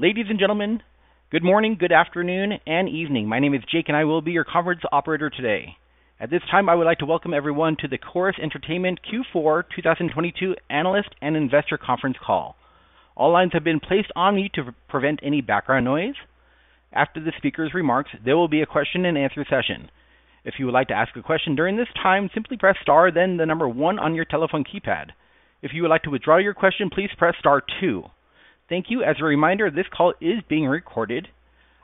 Ladies and gentlemen, good morning, good afternoon, and evening. My name is Jake, and I will be your conference operator today. At this time, I would like to welcome everyone to the Corus Entertainment Q4 2022 analyst and investor conference call. All lines have been placed on mute to prevent any background noise. After the speaker's remarks, there will be a question-and-answer session. If you would like to ask a question during this time, simply press star then the number one on your telephone keypad. If you would like to withdraw your question, please press star two. Thank you. As a reminder, this call is being recorded.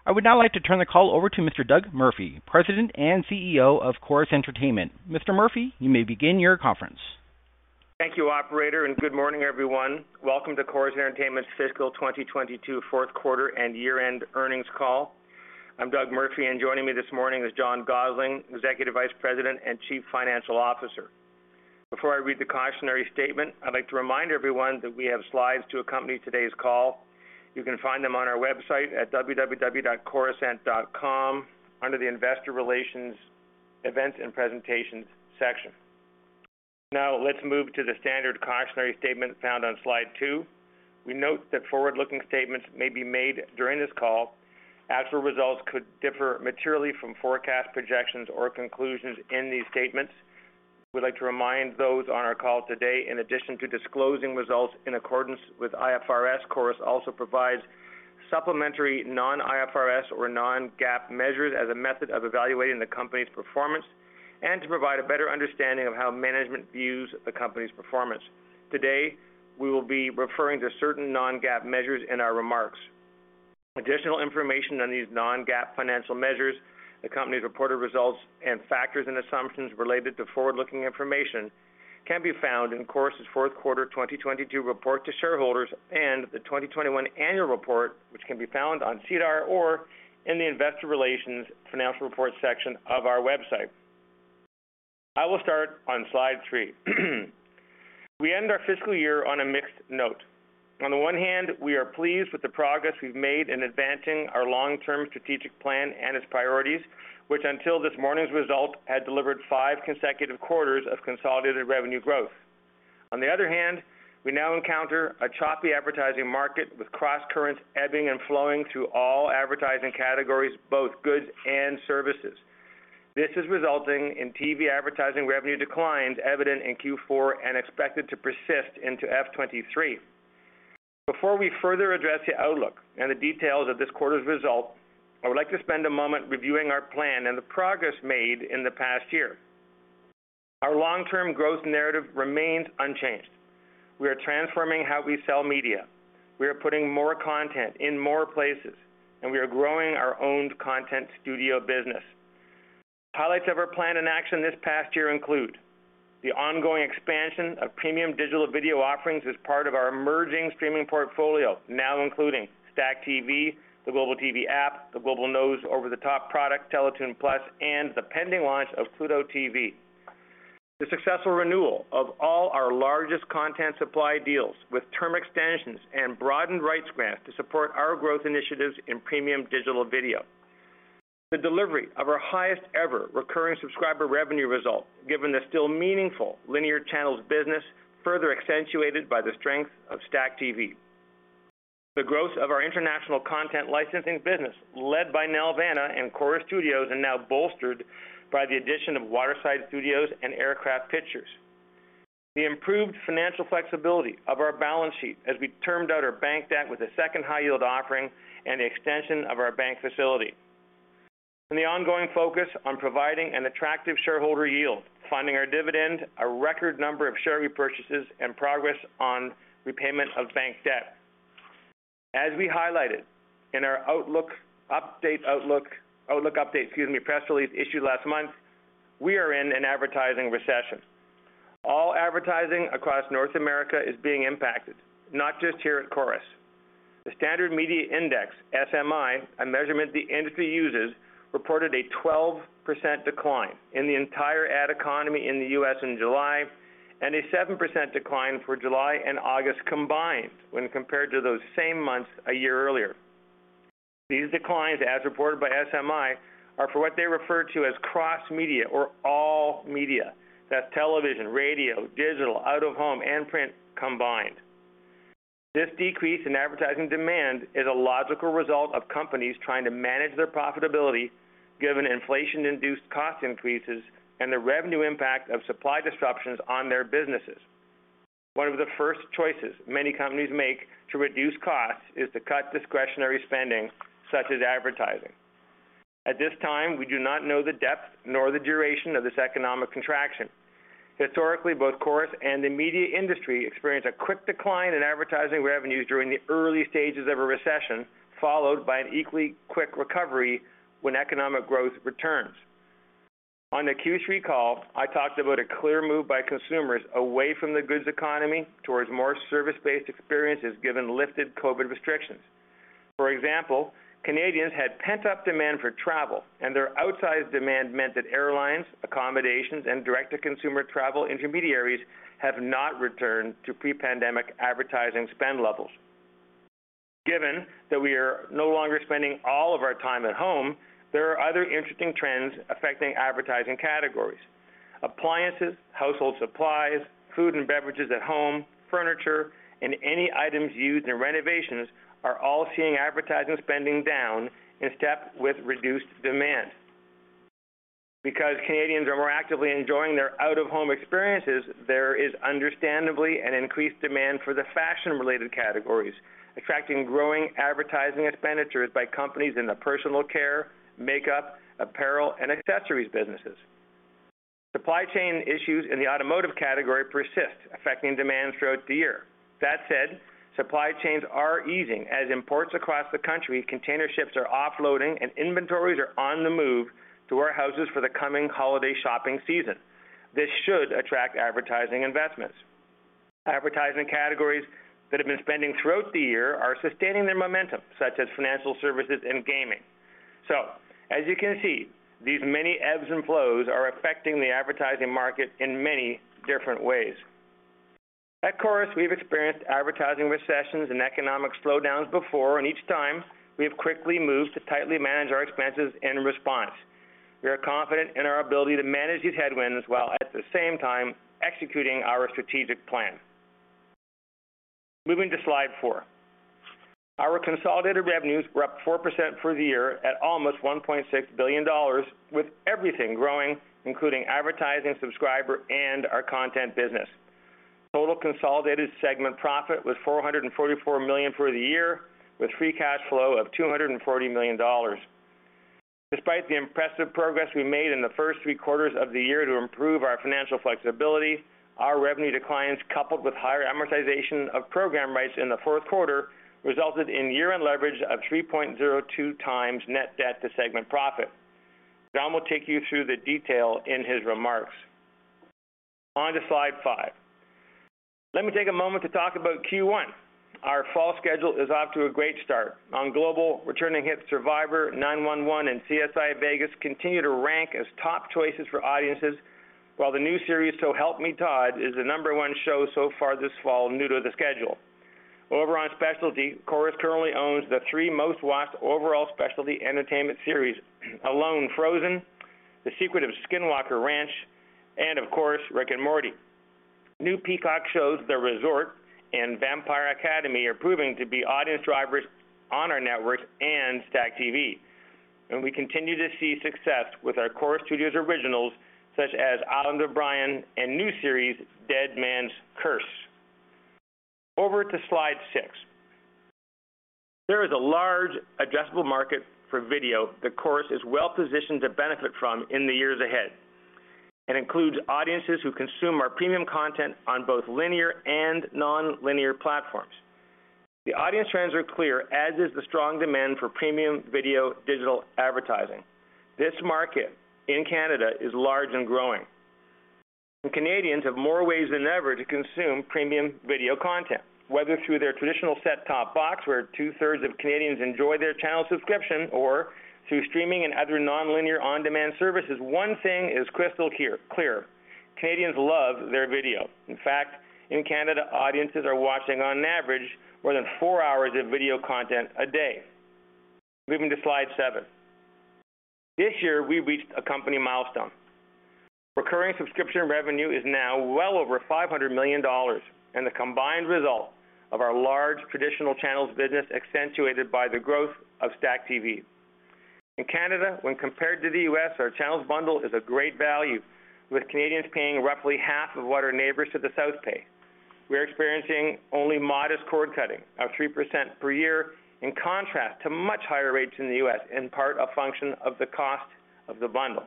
I would now like to turn the call over to Mr. Doug Murphy, President and CEO of Corus Entertainment. Mr. Murphy, you may begin your conference. Thank you, operator, and good morning, everyone. Welcome to Corus Entertainment's fiscal 2022 fourth quarter and year-end earnings call. I'm Doug Murphy, and joining me this morning is John Gossling, Executive Vice President and Chief Financial Officer. Before I read the cautionary statement, I'd like to remind everyone that we have slides to accompany today's call. You can find them on our website at www.corusent.com under the Investor Relations Events and Presentations section. Now, let's move to the standard cautionary statement found on slide two. We note that forward-looking statements may be made during this call. Actual results could differ materially from forecast projections or conclusions in these statements. We'd like to remind those on our call today, in addition to disclosing results in accordance with IFRS, Corus also provides supplementary non-IFRS or non-GAAP measures as a method of evaluating the company's performance and to provide a better understanding of how management views the company's performance. Today, we will be referring to certain non-GAAP measures in our remarks. Additional information on these non-GAAP financial measures, the company's reported results, and factors and assumptions related to forward-looking information can be found in Corus' fourth quarter 2022 report to shareholders and the 2021 annual report, which can be found on SEDAR or in the Investor Relations Financial Reports section of our website. I will start on slide three. We end our fiscal year on a mixed note. On the one hand, we are pleased with the progress we've made in advancing our long-term strategic plan and its priorities, which until this morning's result, had delivered five consecutive quarters of consolidated revenue growth. On the other hand, we now encounter a choppy advertising market with crosscurrent ebbing and flowing through all advertising categories, both goods and services. This is resulting in TV advertising revenue declines evident in Q4 and expected to persist into F2023. Before we further address the outlook and the details of this quarter's result, I would like to spend a moment reviewing our plan and the progress made in the past year. Our long-term growth narrative remains unchanged. We are transforming how we sell media. We are putting more content in more places, and we are growing our own content studio business. Highlights of our plan in action this past year include the ongoing expansion of premium digital video offerings as part of our emerging streaming portfolio, now including STACKTV, the Global TV app, the Global News over-the-top product, TELETOON+, and the pending launch of Pluto TV. The successful renewal of all our largest content supply deals with term extensions and broadened rights grants to support our growth initiatives in premium digital video. The delivery of our highest ever recurring subscriber revenue result, given the still meaningful linear channels business, further accentuated by the strength of STACKTV. The growth of our international content licensing business, led by Nelvana and Corus Studios, and now bolstered by the addition of Waterside Studios and Aircraft Pictures. The improved financial flexibility of our balance sheet as we termed out our bank debt with a second high yield offering and the extension of our bank facility. The ongoing focus on providing an attractive shareholder yield, funding our dividend, a record number of share repurchases, and progress on repayment of bank debt. As we highlighted in our outlook update, excuse me, press release issued last month, we are in an advertising recession. All advertising across North America is being impacted, not just here at Corus. The Standard Media Index, SMI, a measurement the industry uses, reported a 12% decline in the entire ad economy in the U.S. in July and a 7% decline for July and August combined when compared to those same months a year earlier. These declines, as reported by SMI, are for what they refer to as cross-media or all media. That's television, radio, digital, out-of-home, and print combined. This decrease in advertising demand is a logical result of companies trying to manage their profitability given inflation-induced cost increases and the revenue impact of supply disruptions on their businesses. One of the first choices many companies make to reduce costs is to cut discretionary spending, such as advertising. At this time, we do not know the depth nor the duration of this economic contraction. Historically, both Corus and the media industry experienced a quick decline in advertising revenues during the early stages of a recession, followed by an equally quick recovery when economic growth returns. On the Q3 call, I talked about a clear move by consumers away from the goods economy towards more service-based experiences given lifted COVID restrictions. For example, Canadians had pent-up demand for travel, and their outsized demand meant that airlines, accommodations, and direct-to-consumer travel intermediaries have not returned to pre-pandemic advertising spend levels. Given that we are no longer spending all of our time at home, there are other interesting trends affecting advertising categories. Appliances, household supplies, food and beverages at home, furniture, and any items used in renovations are all seeing advertising spending down in step with reduced demand. Because Canadians are more actively enjoying their out-of-home experiences, there is understandably an increased demand for the fashion-related categories, attracting growing advertising expenditures by companies in the personal care, makeup, apparel, and accessories businesses. Supply chain issues in the automotive category persist, affecting demand throughout the year. That said, supply chains are easing as imports across the country, container ships are offloading, and inventories are on the move to warehouses for the coming holiday shopping season. This should attract advertising investments. Advertising categories that have been spending throughout the year are sustaining their momentum, such as financial services and gaming. As you can see, these many ebbs and flows are affecting the advertising market in many different ways. At Corus, we've experienced advertising recessions and economic slowdowns before, and each time, we have quickly moved to tightly manage our expenses in response. We are confident in our ability to manage these headwinds while at the same time executing our strategic plan. Moving to slide four. Our consolidated revenues were up 4% for the year at almost 1.6 billion dollars, with everything growing, including advertising, subscriber, and our content business. Total consolidated segment profit was 444 million for the year, with free cash flow of 240 million dollars. Despite the impressive progress we made in the first three quarters of the year to improve our financial flexibility, our revenue declines, coupled with higher amortization of program rights in the fourth quarter, resulted in year-end leverage of 3.02x net debt to segment profit. John will take you through the detail in his remarks. On to slide five. Let me take a moment to talk about Q1. Our fall schedule is off to a great start. On Global, returning hits Survivor, 9-1-1, and CSI: Vegas continue to rank as top choices for audiences, while the new series, So Help Me Todd, is the number one show so far this fall, new to the schedule. Over on specialty, Corus currently owns the three most-watched overall specialty entertainment series, Alone: Frozen, The Secret of Skinwalker Ranch, and of course, Rick and Morty. New Peacock shows, The Resort and Vampire Academy, are proving to be audience drivers on our network and STACKTV. We continue to see success with our Corus Studios originals such as Island of Bryan and new series, Deadman's Curse. Over to slide six. There is a large addressable market for video that Corus is well-positioned to benefit from in the years ahead. It includes audiences who consume our premium content on both linear and nonlinear platforms. The audience trends are clear, as is the strong demand for premium video digital advertising. This market in Canada is large and growing, and Canadians have more ways than ever to consume premium video content, whether through their traditional set-top box, where two-thirds of Canadians enjoy their channel subscription, or through streaming and other nonlinear on-demand services. One thing is crystal clear. Canadians love their video. In fact, in Canada, audiences are watching on average more than four hours of video content a day. Moving to slide seven. This year, we reached a company milestone. Recurring subscription revenue is now well over 500 million dollars, and the combined result of our large traditional channels business accentuated by the growth of STACKTV. In Canada, when compared to the U.S., our channels bundle is of great value, with Canadians paying roughly half of what our neighbors to the south pay. We're experiencing only modest cord cutting of 3% per year, in contrast to much higher rates in the U.S., in part a function of the cost of the bundle.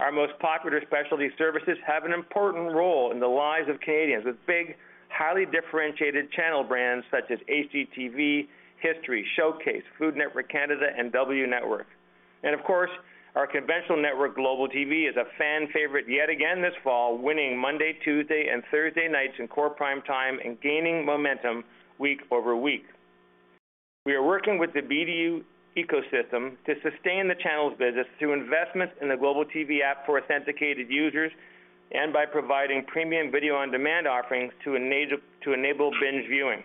Our most popular specialty services have an important role in the lives of Canadians, with big, highly differentiated channel brands such as HGTV, History, Showcase, Food Network Canada, and W Network. Of course, our conventional network, Global TV, is a fan favorite yet again this fall, winning Monday, Tuesday, and Thursday nights in core prime time and gaining momentum week-over-week. We are working with the BDU ecosystem to sustain the channels business through investment in the Global TV app for authenticated users and by providing premium video on-demand offerings to enable binge viewing.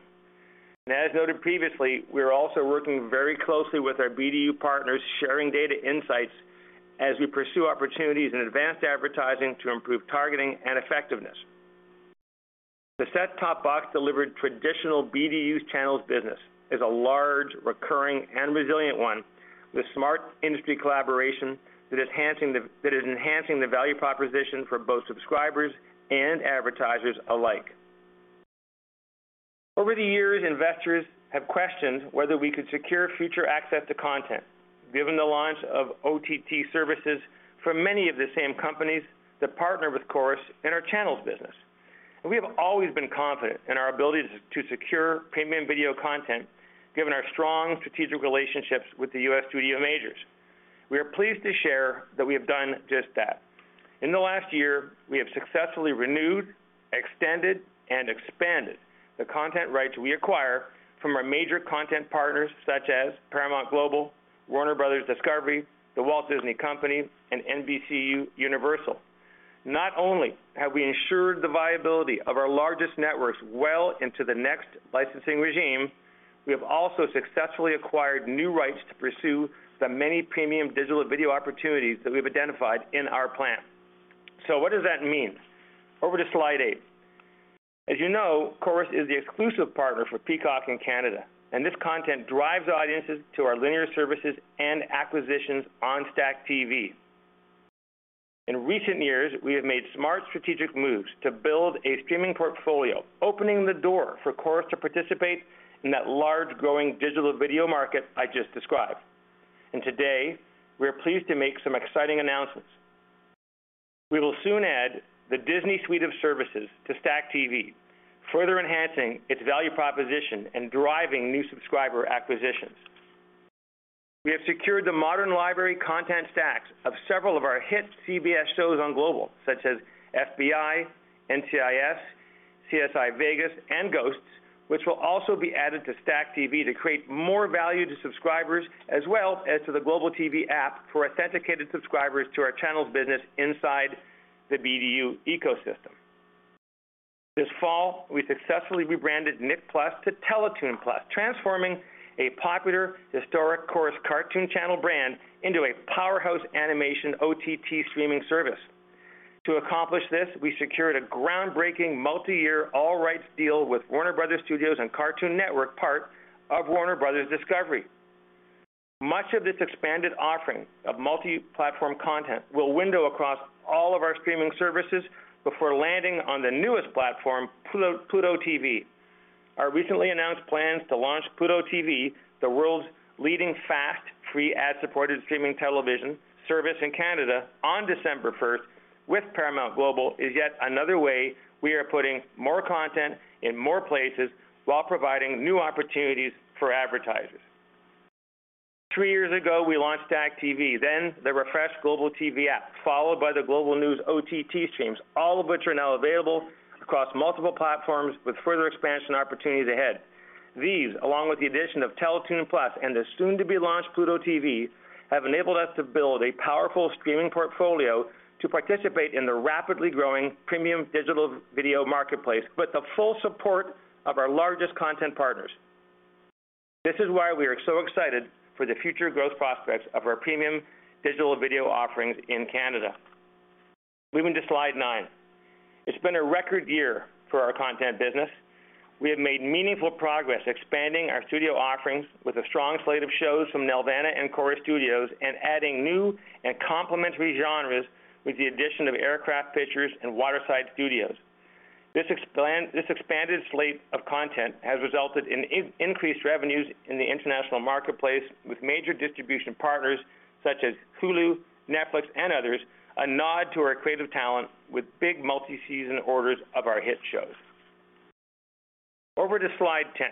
As noted previously, we are also working very closely with our BDU partners, sharing data insights as we pursue opportunities in advanced advertising to improve targeting and effectiveness. The set-top box-delivered traditional BDUs channels business is a large, recurring, and resilient one, with smart industry collaboration that is enhancing the value proposition for both subscribers and advertisers alike. Over the years, investors have questioned whether we could secure future access to content, given the launch of OTT services for many of the same companies that partner with Corus in our channels business. We have always been confident in our ability to secure premium video content, given our strong strategic relationships with the U.S. studio majors. We are pleased to share that we have done just that. In the last year, we have successfully renewed, extended, and expanded the content rights we acquire from our major content partners such as Paramount Global, Warner Bros. Discovery, The Walt Disney Company, and NBCUniversal. Not only have we ensured the viability of our largest networks well into the next licensing regime. We have also successfully acquired new rights to pursue the many premium digital video opportunities that we've identified in our plan. What does that mean? Over to slide eight. As you know, Corus is the exclusive partner for Peacock in Canada, and this content drives audiences to our linear services and acquisitions on STACKTV. In recent years, we have made smart strategic moves to build a streaming portfolio, opening the door for Corus to participate in that large growing digital video market I just described. Today, we are pleased to make some exciting announcements. We will soon add the Disney suite of services to STACKTV, further enhancing its value proposition and driving new subscriber acquisitions. We have secured the modern library content stacks of several of our hit CBS shows on Global, such as FBI, NCIS, CSI: Vegas, and Ghosts, which will also be added to STACKTV to create more value to subscribers as well as to the Global TV app for authenticated subscribers to our channels business inside the BDU ecosystem. This fall, we successfully rebranded Nick+ to TELETOON+, transforming a popular historic Corus cartoon channel brand into a powerhouse animation OTT streaming service. To accomplish this, we secured a groundbreaking multi-year all rights deal with Warner Bros. Studios and Cartoon Network, part of Warner Bros. Discovery. Much of this expanded offering of multi-platform content will window across all of our streaming services before landing on the newest platform, Pluto TV. Our recently announced plans to launch Pluto TV, the world's leading fast, free ad-supported streaming television service in Canada on December first with Paramount Global, is yet another way we are putting more content in more places while providing new opportunities for advertisers. Three years ago, we launched STACKTV, then the refreshed Global TV app, followed by the Global News OTT streams, all of which are now available across multiple platforms with further expansion opportunities ahead. These, along with the addition of TELETOON+ and the soon to be launched Pluto TV, have enabled us to build a powerful streaming portfolio to participate in the rapidly growing premium digital video marketplace with the full support of our largest content partners. This is why we are so excited for the future growth prospects of our premium digital video offerings in Canada. Moving to slide nine. It's been a record year for our content business. We have made meaningful progress expanding our studio offerings with a strong slate of shows from Nelvana and Corus Studios and adding new and complementary genres with the addition of Aircraft Pictures and Waterside Studios. This expanded slate of content has resulted in increased revenues in the international marketplace with major distribution partners such as Hulu, Netflix, and others, a nod to our creative talent with big multi-season orders of our hit shows. Over to slide 10.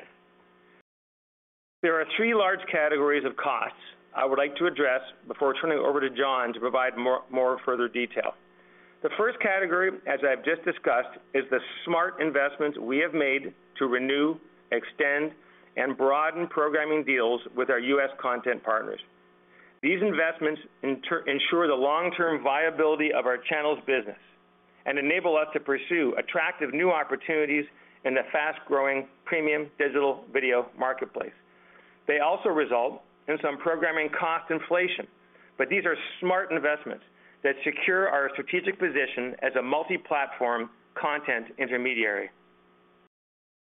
There are three large categories of costs I would like to address before turning it over to John to provide more further detail. The first category, as I've just discussed, is the smart investments we have made to renew, extend, and broaden programming deals with our U.S. content partners. These investments ensure the long-term viability of our channels business and enable us to pursue attractive new opportunities in the fast-growing premium digital video marketplace. They also result in some programming cost inflation, but these are smart investments that secure our strategic position as a multi-platform content intermediary.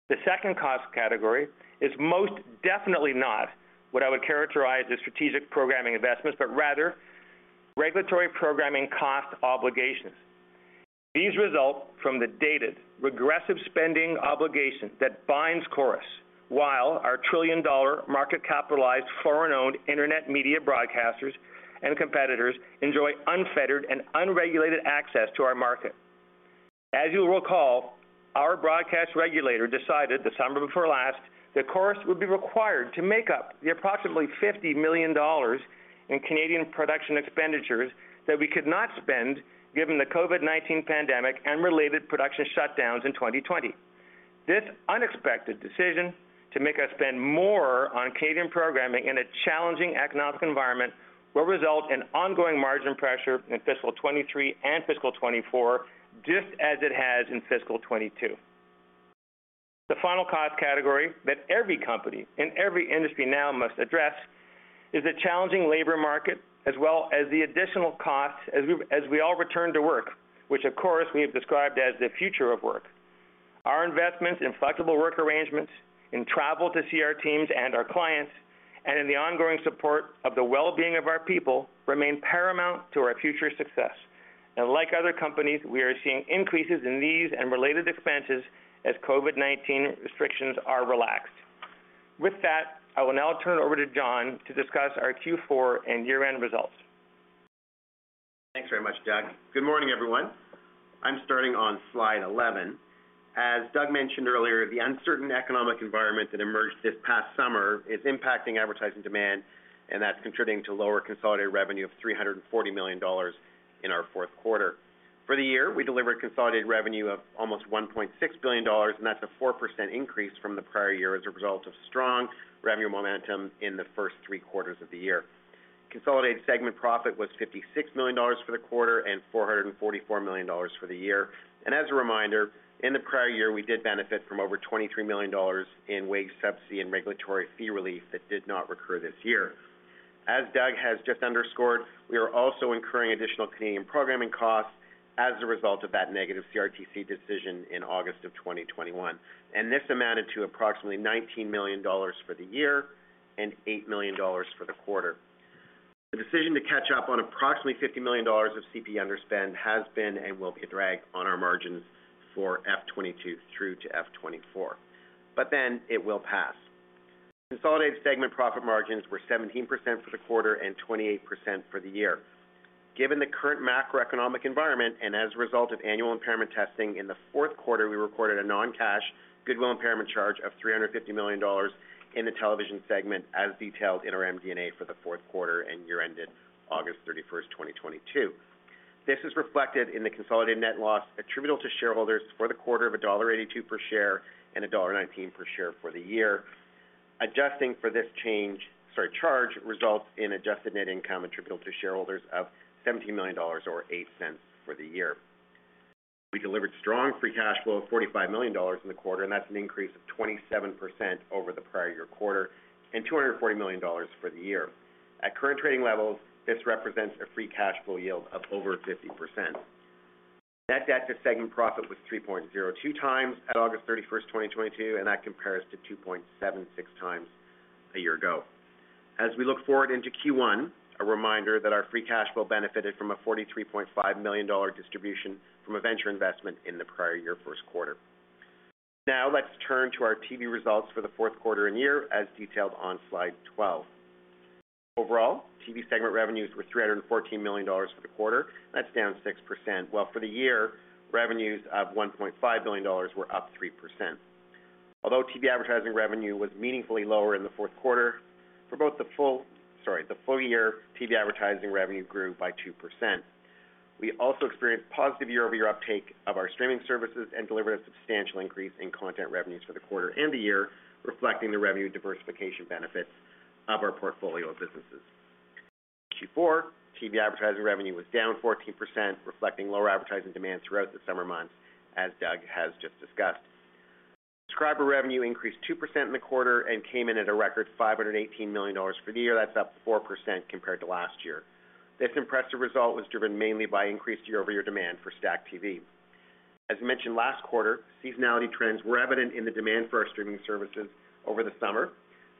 The second cost category is most definitely not what I would characterize as strategic programming investments, but rather regulatory programming cost obligations. These result from the dated, regressive spending obligation that binds Corus, while our trillion-dollar market capitalized, foreign-owned internet media broadcasters and competitors enjoy unfettered and unregulated access to our market. As you'll recall, our broadcast regulator decided the summer before last that Corus would be required to make up the approximately 50 million dollars in Canadian production expenditures that we could not spend given the COVID-19 pandemic and related production shutdowns in 2020. This unexpected decision to make us spend more on Canadian programming in a challenging economic environment will result in ongoing margin pressure in fiscal 2023 and fiscal 2024, just as it has in fiscal 2022. The final cost category that every company in every industry now must address is the challenging labor market, as well as the additional costs as we all return to work, which of course, we have described as the future of work. Our investments in flexible work arrangements, in travel to see our teams and our clients, and in the ongoing support of the well-being of our people remain paramount to our future success. Like other companies, we are seeing increases in these and related expenses as COVID-19 restrictions are relaxed. With that, I will now turn it over to John to discuss our Q4 and year-end results. Thanks very much, Doug. Good morning, everyone. I'm starting on slide 11. As Doug mentioned earlier, the uncertain economic environment that emerged this past summer is impacting advertising demand, and that's contributing to lower consolidated revenue of 340 million dollars in our fourth quarter. For the year, we delivered consolidated revenue of almost 1.6 billion dollars, and that's a 4% increase from the prior year as a result of strong revenue momentum in the first three quarters of the year. Consolidated segment profit was 56 million dollars for the quarter and 444 million dollars for the year. As a reminder, in the prior year, we did benefit from over 23 million dollars in wage subsidy and regulatory fee relief that did not recur this year. As Doug has just underscored, we are also incurring additional Canadian programming costs as a result of that negative CRTC decision in August of 2021, and this amounted to approximately 19 million dollars for the year and 8 million dollars for the quarter. The decision to catch up on approximately 50 million dollars of CPE underspend has been and will be a drag on our margins for F2022 through to F2024, but then it will pass. Consolidated segment profit margins were 17% for the quarter and 28% for the year. Given the current macroeconomic environment and as a result of annual impairment testing in the fourth quarter, we recorded a non-cash goodwill impairment charge of 350 million dollars in the television segment as detailed in our MD&A for the fourth quarter and year ended August 31, 2022. This is reflected in the consolidated net loss attributable to shareholders for the quarter of dollar 1.82 per share and dollar 1.19 per share for the year. Adjusting for this charge results in adjusted net income attributable to shareholders of 17 million dollars or 0.08 per share for the year. We delivered strong free cash flow of 45 million dollars in the quarter, and that's an increase of 27% over the prior year quarter and 240 million dollars for the year. At current trading levels, this represents a free cash flow yield of over 50%. Net debt to segment profit was 3.02x at August 31, 2022, and that compares to 2.76x a year ago. As we look forward into Q1, a reminder that our free cash flow benefited from a 43.5 million dollar distribution from a venture investment in the prior year first quarter. Now, let's turn to our TV results for the fourth quarter and year as detailed on slide 12. Overall, TV segment revenues were 314 million dollars for the quarter. That's down 6%, while for the year, revenues of 1.5 billion dollars were up 3%. Although TV advertising revenue was meaningfully lower in the fourth quarter, for both the full year, TV advertising revenue grew by 2%. We also experienced positive year-over-year uptake of our streaming services and delivered a substantial increase in content revenues for the quarter and the year, reflecting the revenue diversification benefits of our portfolio of businesses. Q4, TV advertising revenue was down 14%, reflecting lower advertising demand throughout the summer months, as Doug has just discussed. Subscriber revenue increased 2% in the quarter and came in at a record 518 million dollars for the year. That's up 4% compared to last year. This impressive result was driven mainly by increased year-over-year demand for STACKTV. As mentioned last quarter, seasonality trends were evident in the demand for our streaming services over the summer.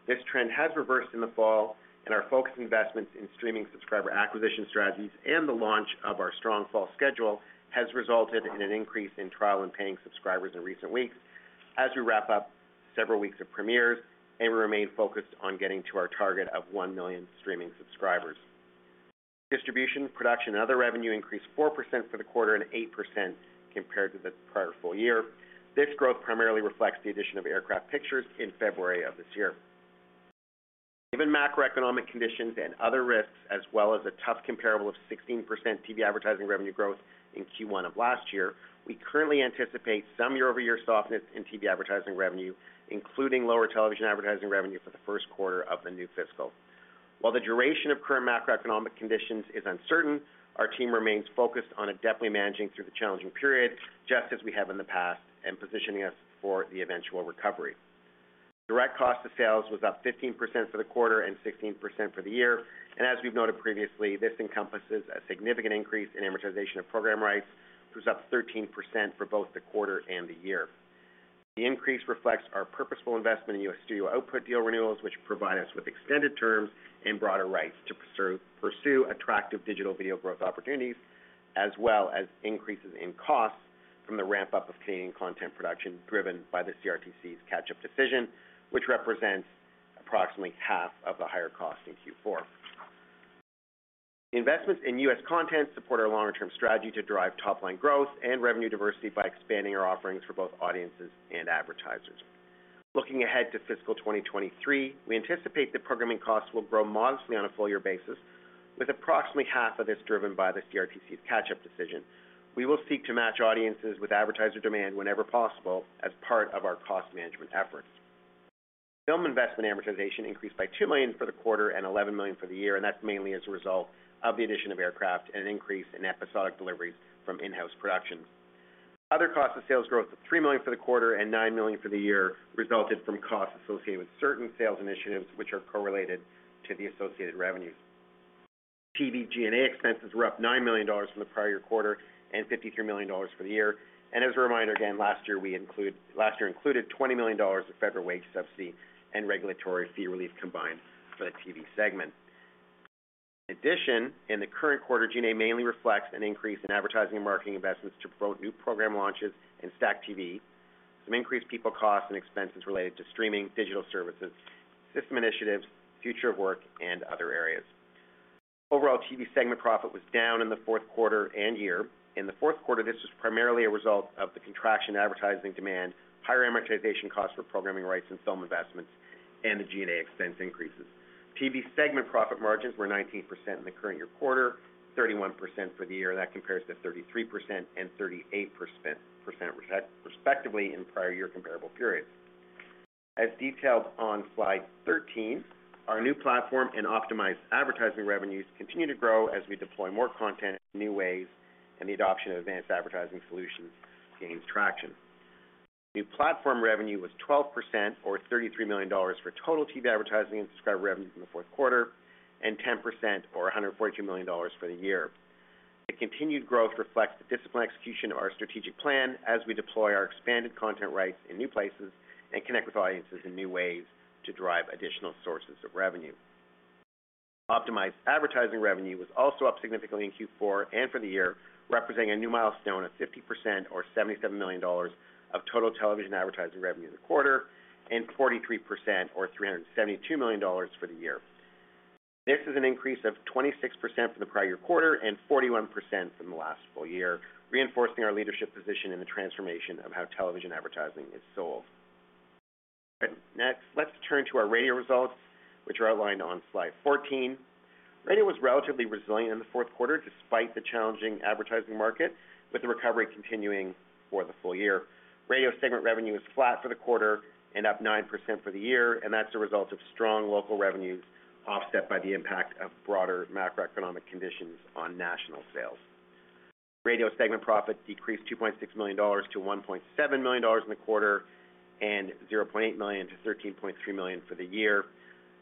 This trend has reversed in the fall, and our focused investments in streaming subscriber acquisition strategies and the launch of our strong fall schedule has resulted in an increase in trial and paying subscribers in recent weeks as we wrap up several weeks of premieres, and we remain focused on getting to our target of 1 million streaming subscribers. Distribution, production, and other revenue increased 4% for the quarter and 8% compared to the prior full year. This growth primarily reflects the addition of Aircraft Pictures in February of this year. Given macroeconomic conditions and other risks, as well as a tough comparable of 16% TV advertising revenue growth in Q1 of last year, we currently anticipate some year-over-year softness in TV advertising revenue, including lower television advertising revenue for the first quarter of the new fiscal. While the duration of current macroeconomic conditions is uncertain, our team remains focused on adeptly managing through the challenging period, just as we have in the past, and positioning us for the eventual recovery. Direct cost of sales was up 15% for the quarter and 16% for the year. As we've noted previously, this encompasses a significant increase in amortization of program rights, which was up 13% for both the quarter and the year. The increase reflects our purposeful investment in U.S. studio output deal renewals, which provide us with extended terms and broader rights to pursue attractive digital video growth opportunities, as well as increases in costs from the ramp-up of Canadian content production driven by the CRTC's catch-up decision, which represents approximately half of the higher cost in Q4. Investments in U.S. content support our longer-term strategy to drive top-line growth and revenue diversity by expanding our offerings for both audiences and advertisers. Looking ahead to fiscal 2023, we anticipate that programming costs will grow modestly on a full-year basis, with approximately half of this driven by the CRTC's catch-up decision. We will seek to match audiences with advertiser demand whenever possible as part of our cost management efforts. Film investment amortization increased by 2 million for the quarter and 11 million for the year, and that's mainly as a result of the addition of Aircraft and an increase in episodic deliveries from in-house productions. Other costs of sales growth of 3 million for the quarter and 9 million for the year resulted from costs associated with certain sales initiatives, which are correlated to the associated revenues. TV G&A expenses were up 9 million dollars from the prior year quarter and 53 million dollars for the year. As a reminder, again, last year included 20 million dollars of federal wage subsidy and regulatory fee relief combined for the TV segment. In addition, in the current quarter, G&A mainly reflects an increase in advertising and marketing investments to promote new program launches in STACKTV, some increased people costs and expenses related to streaming digital services, system initiatives, future of work, and other areas. Overall, TV segment profit was down in the fourth quarter and year. In the fourth quarter, this was primarily a result of the contraction of advertising demand, higher amortization costs for programming rights and film investments, and the G&A expense increases. TV segment profit margins were 19% in the current year quarter, 31% for the year. That compares to 33% and 38%, respectively, in prior year comparable periods. As detailed on slide 13, our new platform and optimized advertising revenues continue to grow as we deploy more content in new ways, and the adoption of advanced advertising solutions gains traction. New platform revenue was 12% or 33 million dollars for total TV advertising and subscriber revenues in the fourth quarter, and 10% or 142 million dollars for the year. The continued growth reflects the disciplined execution of our strategic plan as we deploy our expanded content rights in new places and connect with audiences in new ways to drive additional sources of revenue. Optimized advertising revenue was also up significantly in Q4 and for the year, representing a new milestone of 50% or 77 million dollars of total television advertising revenue in the quarter and 43% or 372 million dollars for the year. This is an increase of 26% for the prior quarter and 41% from the last full year, reinforcing our leadership position in the transformation of how television advertising is sold. Next, let's turn to our radio results, which are outlined on slide 14. Radio was relatively resilient in the fourth quarter despite the challenging advertising market, with the recovery continuing for the full year. Radio segment revenue is flat for the quarter and up 9% for the year, and that's a result of strong local revenues offset by the impact of broader macroeconomic conditions on national sales. Radio segment profits decreased 2.6 million dollars to 1.7 million dollars in the quarter and 0.8 million to 13.3 million for the year.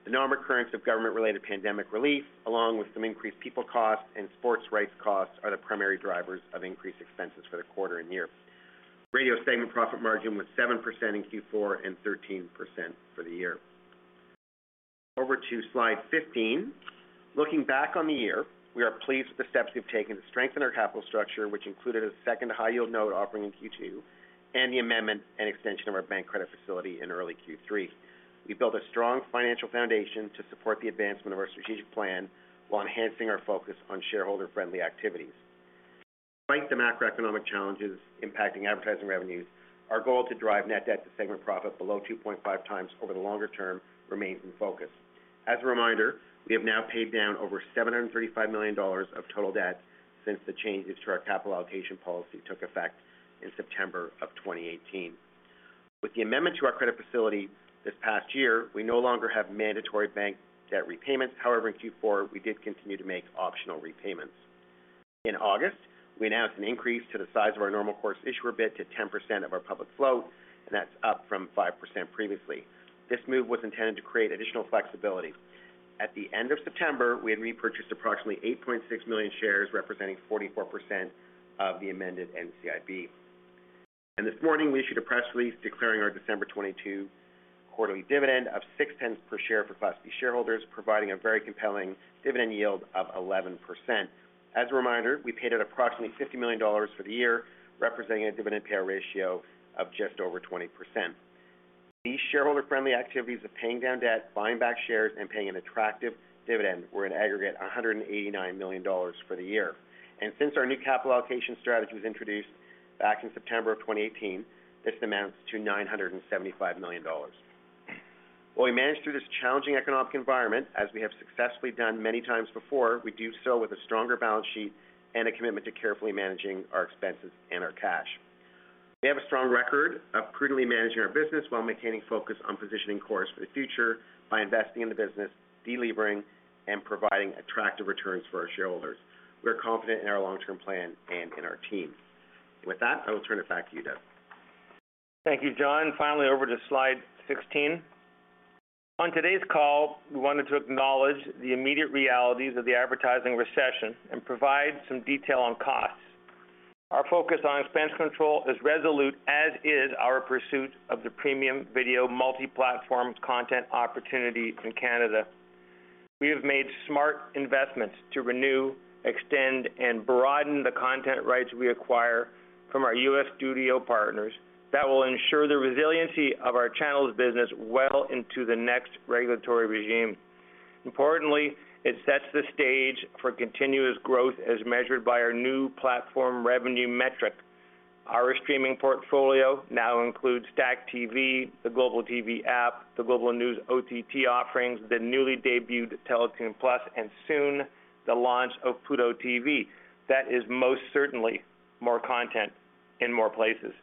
The non-recurrence of government-related pandemic relief, along with some increased people costs and sports rights costs, are the primary drivers of increased expenses for the quarter and year. Radio segment profit margin was 7% in Q4 and 13% for the year. Over to slide 15. Looking back on the year, we are pleased with the steps we've taken to strengthen our capital structure, which included a second high yield note offering in Q2 and the amendment and extension of our bank credit facility in early Q3. We built a strong financial foundation to support the advancement of our strategic plan while enhancing our focus on shareholder-friendly activities. Despite the macroeconomic challenges impacting advertising revenues, our goal to drive net debt to segment profit below 2.5x over the longer term remains in focus. As a reminder, we have now paid down over 735 million dollars of total debt since the changes to our capital allocation policy took effect in September of 2018. With the amendment to our credit facility this past year, we no longer have mandatory bank debt repayments. However, in Q4, we did continue to make optional repayments. In August, we announced an increase to the size of our normal course issuer bid to 10% of our public float, and that's up from 5% previously. This move was intended to create additional flexibility. At the end of September, we had repurchased approximately 8.6 million shares, representing 44% of the amended NCIB. This morning, we issued a press release declaring our December 2022 quarterly dividend of 0.06 per share for Class B shareholders, providing a very compelling dividend yield of 11%. As a reminder, we paid out approximately 50 million dollars for the year, representing a dividend payout ratio of just over 20%. These shareholder-friendly activities of paying down debt, buying back shares, and paying an attractive dividend were an aggregate 189 million dollars for the year. Since our new capital allocation strategy was introduced back in September 2018, this amounts to 975 million dollars. While we manage through this challenging economic environment, as we have successfully done many times before, we do so with a stronger balance sheet and a commitment to carefully managing our expenses and our cash. We have a strong record of prudently managing our business while maintaining focus on positioning Corus for the future by investing in the business, delevering, and providing attractive returns for our shareholders. We're confident in our long-term plan and in our team. With that, I will turn it back to you, Doug. Thank you, John. Finally, over to slide 16. On today's call, we wanted to acknowledge the immediate realities of the advertising recession and provide some detail on costs. Our f ocus on expense control is resolute, as is our pursuit of the premium video multi-platform content opportunity in Canada. We have made smart investments to renew, extend, and broaden the content rights we acquire from our U.S. studio partners that will ensure the resiliency of our channels business well into the next regulatory regime. Importantly, it sets the stage for continuous growth as measured by our new platform revenue metric. Our streaming portfolio now includes STACKTV, the Global TV app, the Global News OTT offerings, the newly debuted TELETOON+, and soon the launch of Pluto TV. That is most certainly more content in more places.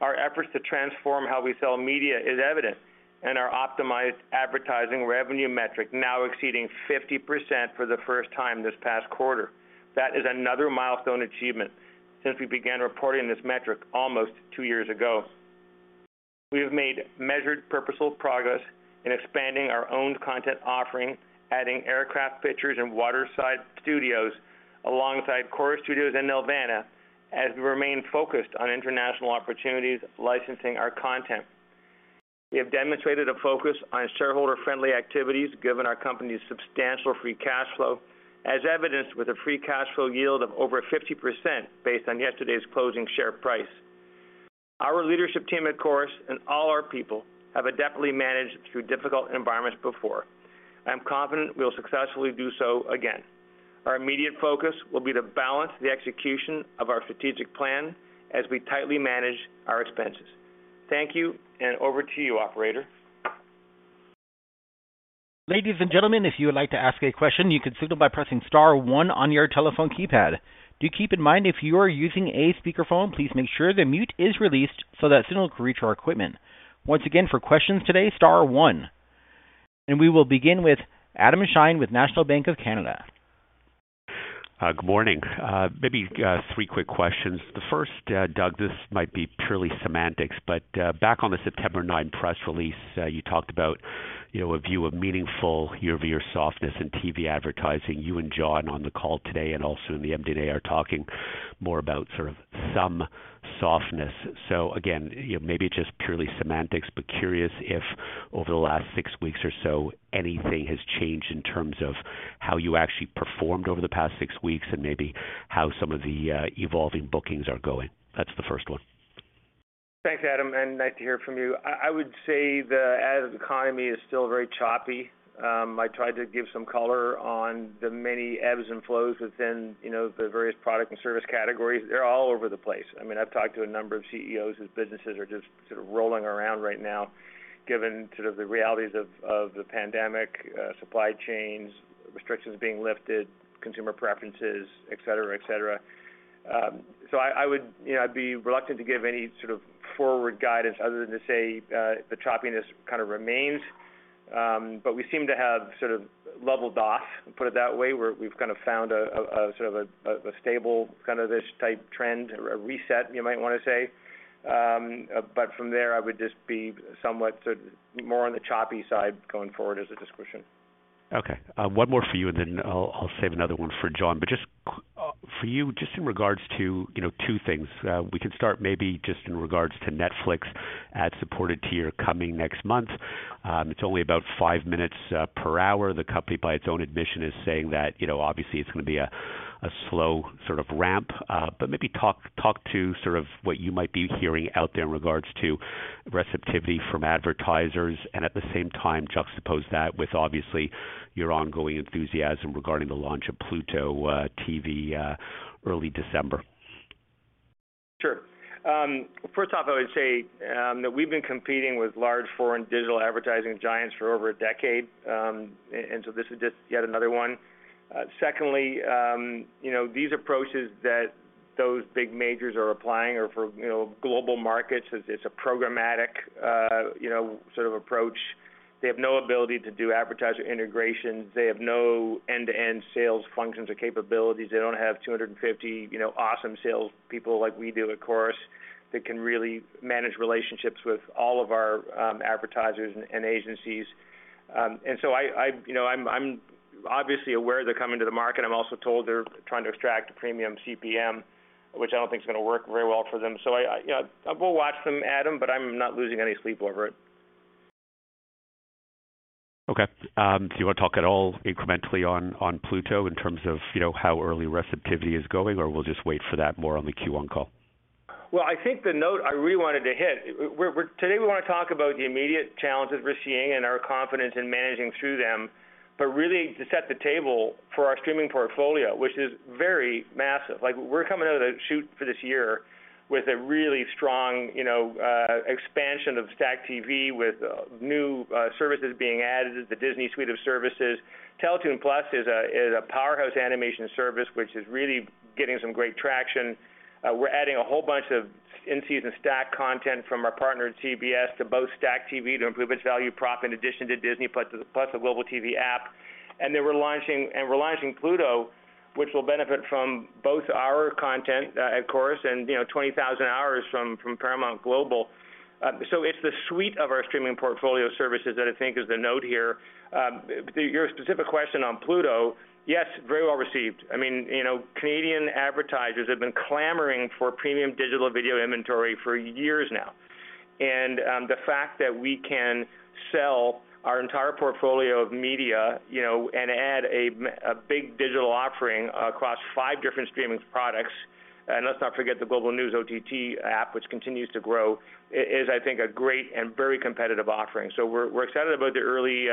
Our efforts to transform how we sell media is evident, and our optimized advertising revenue metric now exceeding 50% for the first time this past quarter. That is another milestone achievement since we began reporting this metric almost two years ago. We have made measured, purposeful progress in expanding our own content offering, adding Aircraft Pictures and Waterside Studios alongside Corus Studios and Nelvana, as we remain focused on international opportunities licensing our content. We have demonstrated a focus on shareholder-friendly activities, given our company's substantial free cash flow, as evidenced with a free cash flow yield of over 50% based on yesterday's closing share price. Our leadership team at Corus and all our people have adeptly managed through difficult environments before. I'm confident we'll successfully do so again. Our immediate focus will be to balance the execution of our strategic plan as we tightly manage our expenses. Thank you, and over to you, operator. Ladies and gentlemen, if you would like to ask a question, you can signal by pressing star one on your telephone keypad. Do keep in mind if you are using a speakerphone, please make sure the mute is released so that signal can reach our equipment. Once again, for questions today, star one. We will begin with Adam Shine with National Bank of Canada. Good morning. Maybe three quick questions. The first, Doug, this might be purely semantics, but back on the September 9 press release, you talked about, you know, a view of meaningful year-over-year softness in TV advertising. You and John on the call today, and also in the media day are talking more about sort of some softness. Again, you know, maybe it's just purely semantics, but curious if over the last six weeks or so anything has changed in terms of how you actually performed over the past six weeks and maybe how some of the evolving bookings are going. That's the first one. Thanks, Adam, and nice to hear from you. I would say the ad economy is still very choppy. I tried to give some color on the many ebbs and flows within, you know, the various product and service categories. They're all over the place. I mean, I've talked to a number of CEOs whose businesses are just sort of rolling around right now given sort of the realities of the pandemic, supply chains, restrictions being lifted, consumer preferences, et cetera, et cetera. I would, you know, I'd be reluctant to give any sort of forward guidance other than to say the choppiness kind of remains. We seem to have sort of leveled off and put it that way, where we've kind of found a sort of a stable kind of this type trend or a reset you might wanna say. From there I would just be somewhat sort of more on the choppy side going forward as a description. Okay. One more for you, and then I'll save another one for John. Just for you, just in regards to, you know, two things. We can start maybe just in regards to Netflix ad supported tier coming next month. It's only about five minutes per hour. The company, by its own admission, is saying that, you know, obviously it's gonna be a slow sort of ramp. Maybe talk to sort of what you might be hearing out there in regards to receptivity from advertisers and at the same time juxtapose that with obviously your ongoing enthusiasm regarding the launch of Pluto TV early December. Sure. First off, I would say that we've been competing with large foreign digital advertising giants for over a decade, and so this is just yet another one. Secondly, you know, these approaches that those big majors are applying are for, you know, global markets. It's a programmatic, you know, sort of approach. They have no ability to do advertiser integrations. They have no end-to-end sales functions or capabilities. They don't have 250, you know, awesome sales people like we do at Corus that can really manage relationships with all of our advertisers and agencies. I you know I'm obviously aware they're coming to the market. I'm also told they're trying to extract a premium CPM, which I don't think is gonna work very well for them. I you know, I will watch them, Adam, but I'm not losing any sleep over it. Okay. Do you want to talk at all incrementally on Pluto in terms of, you know, how early receptivity is going, or we'll just wait for that more on the Q1 call? Well, I think the note I really wanted to hit, today we want to talk about the immediate challenges we're seeing and our confidence in managing through them. Really to set the table for our streaming portfolio, which is very massive. Like we're coming out of the chute for this year with a really strong, you know, expansion of STACKTV, with new, services being added as the Disney suite of services. TELETOON+ is a powerhouse animation service, which is really getting some great traction. We're adding a whole bunch of in-season STACKTV content from our partner CBS to both STACKTV to improve its value prop in addition to Disney+ plus a Global TV app. Then we're launching Pluto TV, which will benefit from both our content, at Corus and, you know, 20,000 hours from Paramount Global. It's the suite of our streaming portfolio services that I think is the note here. Your specific question on Pluto, yes, very well received. I mean, you know, Canadian advertisers have been clamoring for premium digital video inventory for years now. The fact that we can sell our entire portfolio of media, you know, and add a big digital offering across five different streaming products, and let's not forget the Global News OTT app which continues to grow, is, I think, a great and very competitive offering. We're excited about the early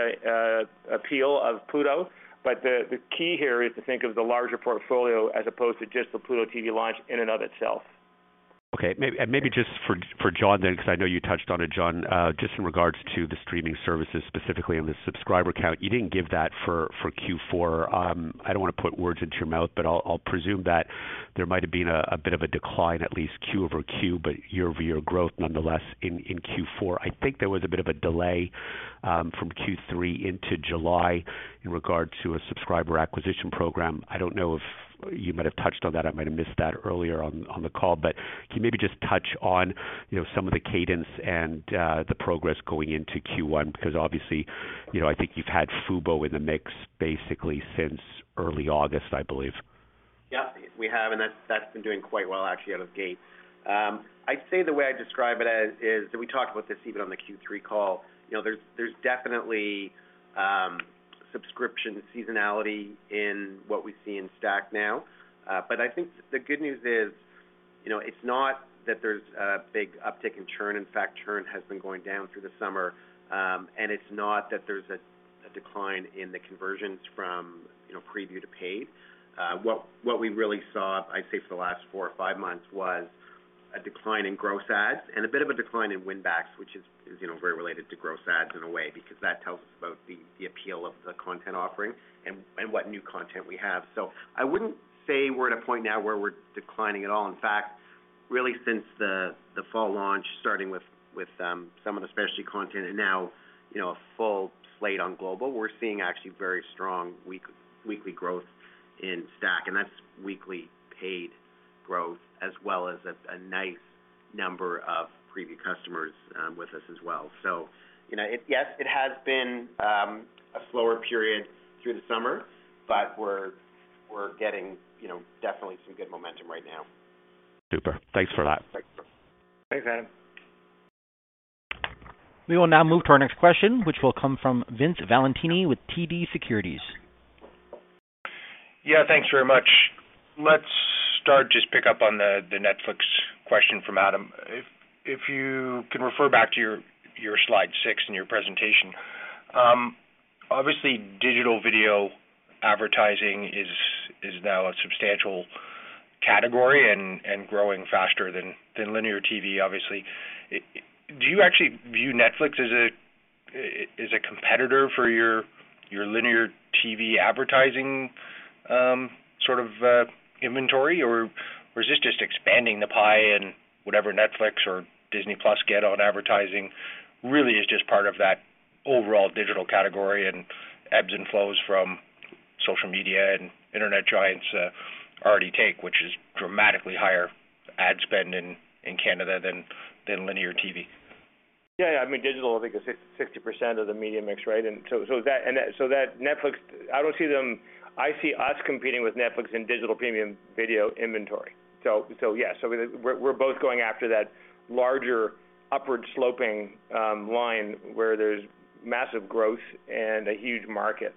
appeal of Pluto. The key here is to think of the larger portfolio as opposed to just the Pluto TV launch in and of itself. Okay. Maybe just for John then, cause I know you touched on it, John. Just in regards to the streaming services, specifically on the subscriber count. You didn't give that for Q4. I don't wanna put words into your mouth, but I'll presume that there might have been a bit of a decline at least Q-over-Q, but year-over-year growth nonetheless in Q4. I think there was a bit of a delay from Q3 into July in regard to a subscriber acquisition program. I don't know if you might have touched on that. I might have missed that earlier on the call. Can you maybe just touch on you know some of the cadence and the progress going into Q1? Because obviously, you know, I think you've had Fubo in the mix basically since early August, I believe. Yeah, we have, and that's been doing quite well actually out of the gate. I'd say the way I describe it as is, and we talked about this even on the Q3 call, you know, there's definitely subscription seasonality in what we see in STACKTV now. I think the good news is, you know, it's not that there's a big uptick in churn. In fact, churn has been going down through the summer. It's not that there's a decline in the conversions from, you know, preview to paid. What we really saw, I'd say for the last four or five months was A decline in gross ads and a bit of a decline in win backs, which is, you know, very related to gross ads in a way, because that tells us about the appeal of the content offering and what new content we have. I wouldn't say we're at a point now where we're declining at all. In fact, really, since the fall launch, starting with some of the specialty content and now, you know, a full slate on Global, we're seeing actually very strong weekly growth in STACKTV, and that's weekly paid growth as well as a nice number of preview customers with us as well. You know, yes, it has been a slower period through the summer, but we're getting, you know, definitely some good momentum right now. Super. Thanks for that. Thanks. Thanks, Adam. We will now move to our next question, which will come from Vince Valentini with TD Securities. Yeah, thanks very much. Let's start, just pick up on the Netflix question from Adam. If you can refer back to your slide six in your presentation. Obviously, digital video advertising is now a substantial category and growing faster than linear TV, obviously. Do you actually view Netflix as a competitor for your linear TV advertising, sort of, inventory? Or is this just expanding the pie and whatever Netflix or Disney+ get on advertising really is just part of that overall digital category and ebbs and flows from social media and Internet giants already take, which is dramatically higher ad spend in Canada than linear TV. Yeah. I mean, digital, I think is 66% of the media mix, right? Netflix. I don't see them. I see us competing with Netflix in digital premium video inventory. Yes. We're both going after that larger upward sloping line where there's massive growth and a huge market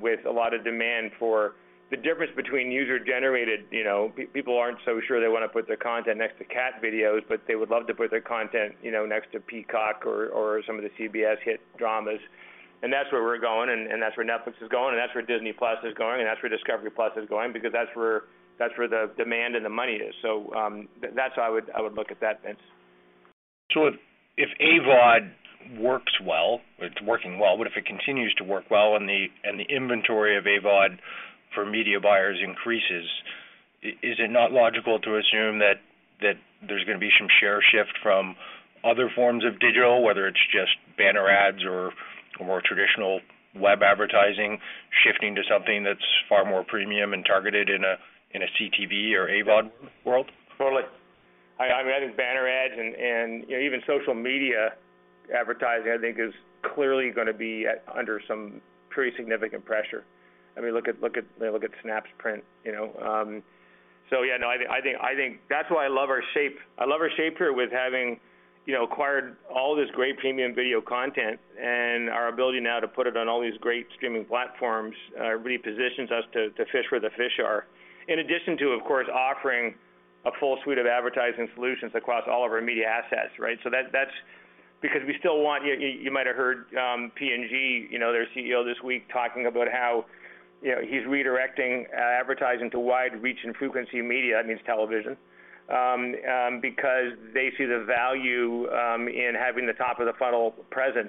with a lot of demand for the difference between user generated. You know, people aren't so sure they wanna put their content next to cat videos, but they would love to put their content, you know, next to Peacock or some of the CBS hit dramas. That's where we're going, that's where Netflix is going, that's where Disney+ is going, and that's where Discovery+ is going, because that's where the demand and the money is. That's how I would look at that, Vince. If AVOD works well, it's working well. What if it continues to work well and the inventory of AVOD for media buyers increases, is it not logical to assume that there's gonna be some share shift from other forms of digital, whether it's just banner ads or more traditional web advertising shifting to something that's far more premium and targeted in a CTV or AVOD world? Totally. I mean, I think banner ads and, you know, even social media advertising, I think is clearly gonna be under some pretty significant pressure. I mean, look at Snap's print, you know? So yeah, no, I think that's why I love our shape. I love our shape here with having, you know, acquired all this great premium video content and our ability now to put it on all these great streaming platforms, really positions us to fish where the fish are. In addition to, of course, offering a full suite of advertising solutions across all of our media assets, right? That's because we still want you. You might have heard P&G, you know, their CEO this week talking about how, you know, he's redirecting advertising to wide reach and frequency media, that means television, because they see the value in having the top of the funnel presence.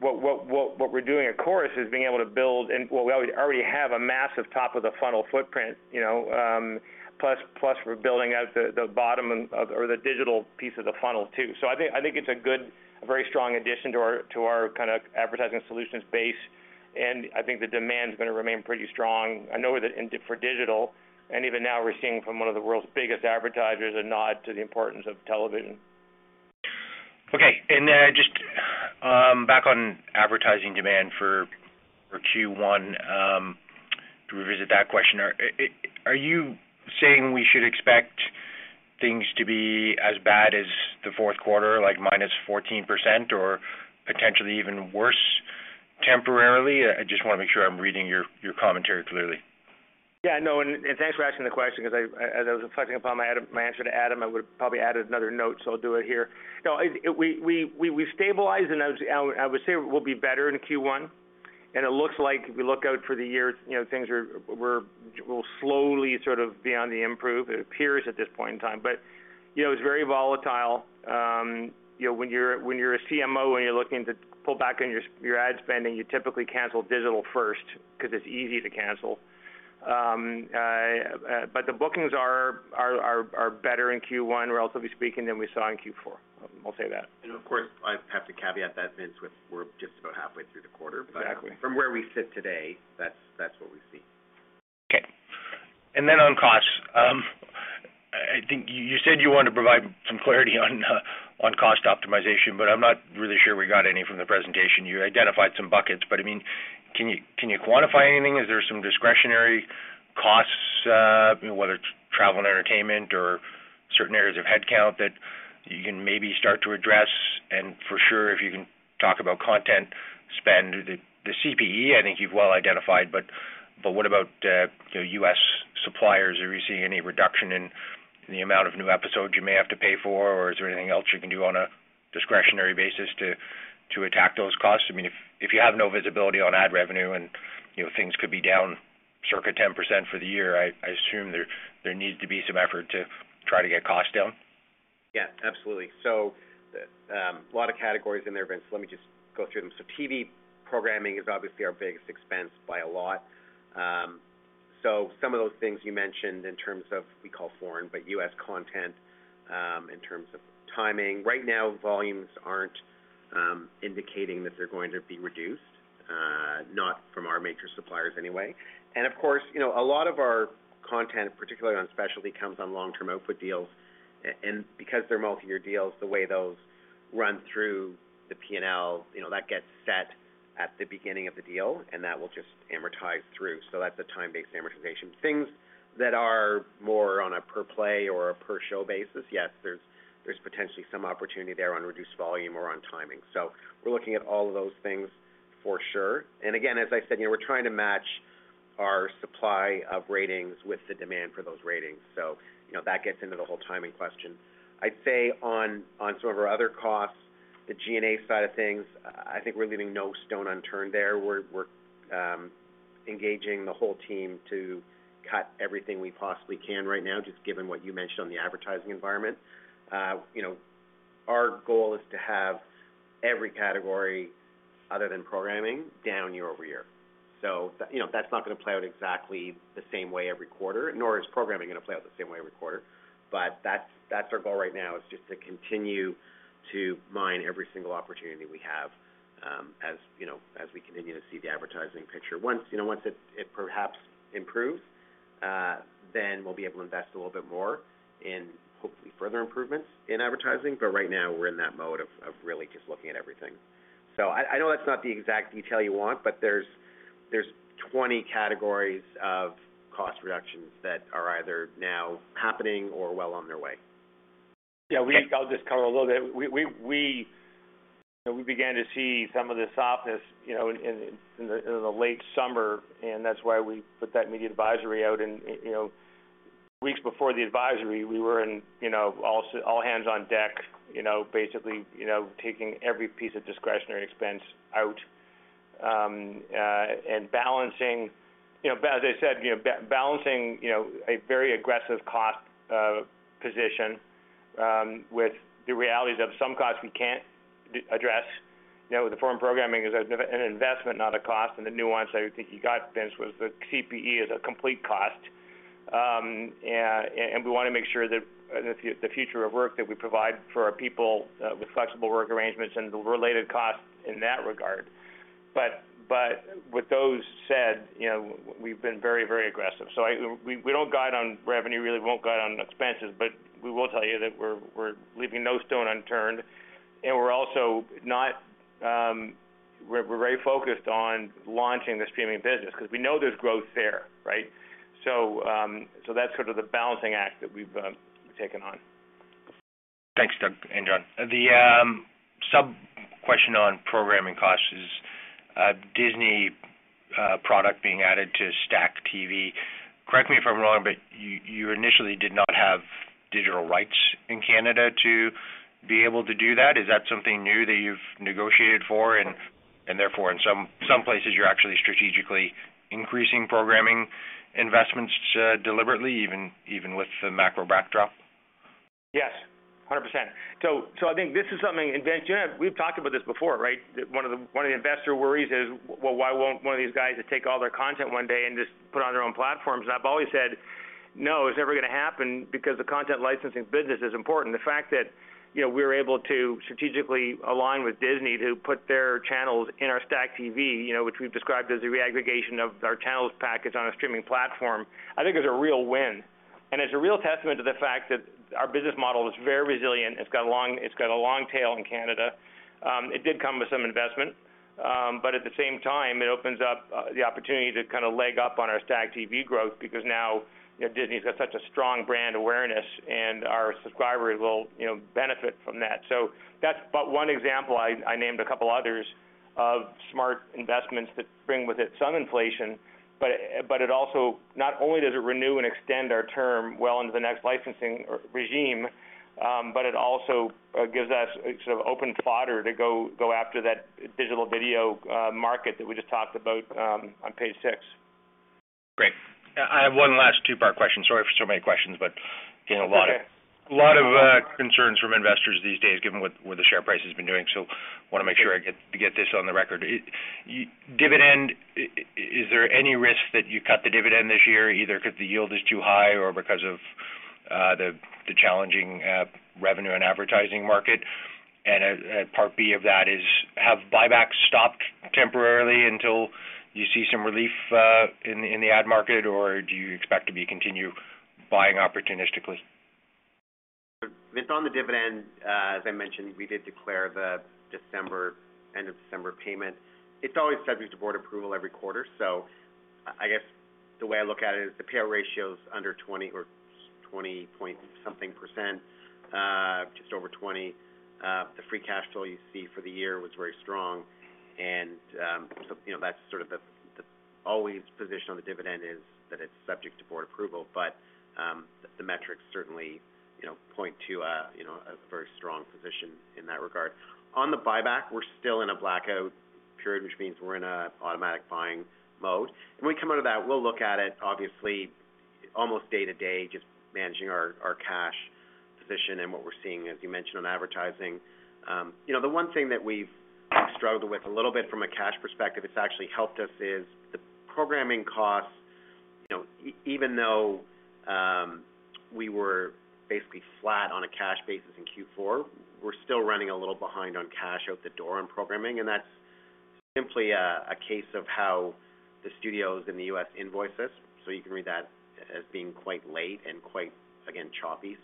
What we're doing at Corus is being able to build on what we already have a massive top of the funnel footprint, you know, plus we're building out the bottom or the digital piece of the funnel, too. I think it's a very strong addition to our kinda advertising solutions base, and I think the demand is gonna remain pretty strong. I know that for digital, and even now we're seeing from one of the world's biggest advertisers a nod to the importance of television. Okay. Just back on advertising demand for Q1 to revisit that question. Are you saying we should expect things to be as bad as the fourth quarter, like -14% or potentially even worse temporarily? I just wanna make sure I'm reading your commentary clearly. Yeah, no. Thanks for asking the question cause as I was reflecting upon my answer to Adam, I would have probably added another note, so I'll do it here. No, we've stabilized, and I would say we'll be better in Q1. It looks like if we look out for the year, you know, things will slowly sort of be on the improve. It appears at this point in time. You know, it's very volatile. You know, when you're a CMO, when you're looking to pull back on your ad spending, you typically cancel digital first because it's easy to cancel. The bookings are better in Q1, relatively speaking, than we saw in Q4. I'll say that. Of course, I have to caveat that, Vince, with we're just about halfway through the quarter. Exactly. From where we sit today, that's what we see. Okay. Then on costs, I think you said you wanted to provide some clarity on cost optimization, but I'm not really sure we got any from the presentation. You identified some buckets, but I mean, can you quantify anything? Is there some discretionary costs, you know, whether it's travel and entertainment or certain areas of headcount that you can maybe start to address? For sure, if you can talk about content spend. The CPE, I think you've well identified, but what about, you know, U.S. suppliers? Are you seeing any reduction in the amount of new episodes you may have to pay for, or is there anything else you can do on a discretionary basis to To attack those costs. I mean, if you have no visibility on ad revenue and, you know, things could be down circa 10% for the year, I assume there needs to be some effort to try to get costs down. Yeah, absolutely. A lot of categories in there, Vince, let me just go through them. TV programming is obviously our biggest expense by a lot. Some of those things you mentioned in terms of we call foreign, but U.S. content, in terms of timing. Right now, volumes aren't indicating that they're going to be reduced, not from our major suppliers anyway. And of course, you know, a lot of our content, particularly on specialty, comes on long-term output deals. And because they're multi-year deals, the way those run through the P&L, you know, that gets set at the beginning of the deal, and that will just amortize through. That's a time-based amortization. Things that are more on a per-play or a per-show basis, yes, there's potentially some opportunity there on reduced volume or on timing. We're looking at all of those things for sure. Again, as I said, you know, we're trying to match our supply of ratings with the demand for those ratings. You know, that gets into the whole timing question. I'd say on some of our other costs, the G&A side of things, I think we're leaving no stone unturned there. We're engaging the whole team to cut everything we possibly can right now, just given what you mentioned on the advertising environment. You know, our goal is to have every category other than programming down year-over-year. You know, that's not gonna play out exactly the same way every quarter, nor is programming gonna play out the same way every quarter. That's our goal right now, is just to continue to mine every single opportunity we have, as you know, as we continue to see the advertising picture. Once, you know, it perhaps improves, then we'll be able to invest a little bit more in hopefully further improvements in advertising. Right now we're in that mode of really just looking at everything. I know that's not the exact detail you want, but there's 20 categories of cost reductions that are either now happening or well on their way. I'll just cover a little bit. We, you know, began to see some of the softness, you know, in the late summer, and that's why we put that media advisory out. You know, weeks before the advisory, we were in, you know, all hands on deck, you know, basically, you know, taking every piece of discretionary expense out, and balancing a very aggressive cost position with the realities of some costs we can't address. You know, the foreign programming is an investment, not a cost, and the nuance I think you got, Vince, was the CPE is a complete cost. We want to make sure that the future of work that we provide for our people with flexible work arrangements and the related costs in that regard. With that said, you know, we've been very aggressive. We don't guide on revenue, really won't guide on expenses, but we will tell you that we're leaving no stone unturned. We're very focused on launching the streaming business 'cause we know there's growth there, right? That's sort of the balancing act that we've taken on. Thanks, Doug and John. The sub-question on programming costs is Disney product being added to STACKTV. Correct me if I'm wrong, but you initially did not have digital rights in Canada to be able to do that. Is that something new that you've negotiated for? Therefore, in some places you're actually strategically increasing programming investments deliberately, even with the macro backdrop? Yes, 100%. I think this is something. Vince, you know, we've talked about this before, right? One of the investor worries is, well, why won't one of these guys just take all their content one day and just put it on their own platforms? I've always said, "No, it's never gonna happen because the content licensing business is important." The fact that, you know, we're able to strategically align with Disney to put their channels in our STACKTV, you know, which we've described as a reaggregation of our channels package on a streaming platform, I think is a real win. It's a real testament to the fact that our business model is very resilient. It's got a long tail in Canada. It did come with some investment. At the same time, it opens up the opportunity to kinda get a leg up on our STACKTV growth because now, you know, Disney's got such a strong brand awareness, and our subscribers will, you know, benefit from that. That's but one example. I named a couple others of smart investments that bring with it some inflation. It also not only does it renew and extend our term well into the next licensing or regime, but it also gives us a sort of open door to go after that digital video market that we just talked about on page six. Great. I have one last two-part question. Sorry for so many questions, but, you know, a lot of. It's okay. A lot of concerns from investors these days given what the share price has been doing. Wanna make sure I get this on the record. The dividend, is there any risk that you cut the dividend this year, either cause the yield is too high or because of the challenging revenue and advertising market? Part B of that is, have buybacks stopped temporarily until you see some relief in the ad market, or do you expect to continue buying opportunistically? Vince, on the dividend, as I mentioned, we did declare the December end of December payment. It's always subject to board approval every quarter. I guess the way I look at it is the payout ratio is under 20% or 20-point-something percent, just over 20%. The free cash flow you see for the year was very strong. You know, that's sort of the always position on the dividend is that it's subject to board approval. The metrics certainly, you know, point to a, you know, a very strong position in that regard. On the buyback, we're still in a blackout period, which means we're in a automatic buying mode. When we come out of that, we'll look at it obviously almost day-to-day, just managing our cash position and what we're seeing, as you mentioned, on advertising. You know, the one thing that we've struggled with a little bit from a cash perspective, it's actually helped us, is the programming costs. You know, even though we were basically flat on a cash basis in Q4, we're still running a little behind on cash out the door on programming, and that's simply a case of how the studios in the U.S. invoice us, so you can read that as being quite late and quite, again, choppy.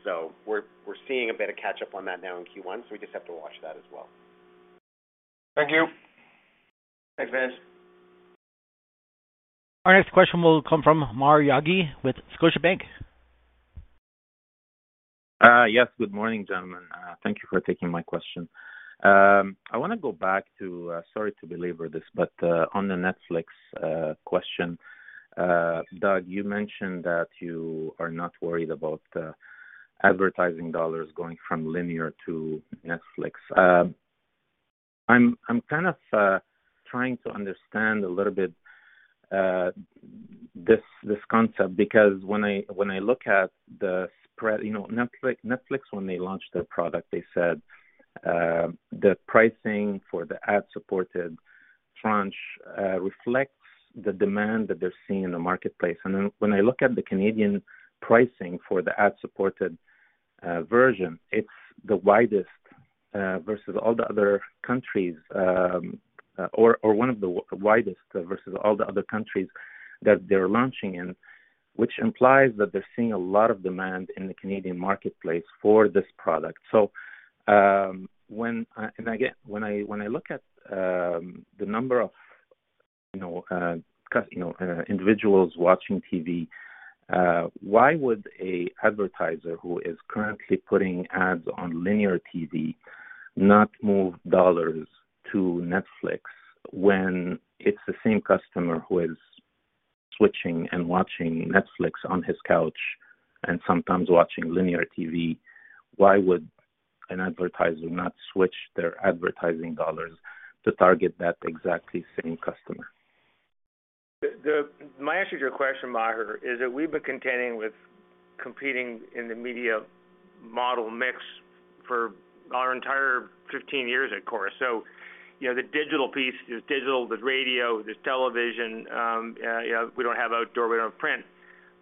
We're seeing a bit of catch up on that now in Q1, so we just have to watch that as well. Thank you. Thanks, Vince. Our next question will come from Maher Yaghi with Scotiabank. Yes. Good morning, gentlemen. Thank you for taking my question. I wanna go back to, sorry to belabor this, but, on the Netflix question. Doug, you mentioned that you are not worried about advertising dollars going from linear to Netflix. I'm kind of trying to understand a little bit this concept because when I look at the spread. You know, Netflix, when they launched their product, they said the pricing for the ad-supported tranche reflects the demand that they're seeing in the marketplace. When I look at the Canadian pricing for the ad-supported version, it's the widest versus all the other countries, or one of the widest versus all the other countries that they're launching in, which implies that they're seeing a lot of demand in the Canadian marketplace for this product. When I look at the number of, you know, individuals watching TV, why would an advertiser who is currently putting ads on linear TV not move dollars to Netflix when it's the same customer who is switching and watching Netflix on his couch and sometimes watching linear TV? Why would an advertiser not switch their advertising dollars to target that exactly same customer? My answer to your question, Maher, is that we've been contending with competing in the media model mix for our entire 15 years at Corus. You know, the digital piece. There's digital, there's radio, there's television. You know, we don't have outdoor, we don't have print.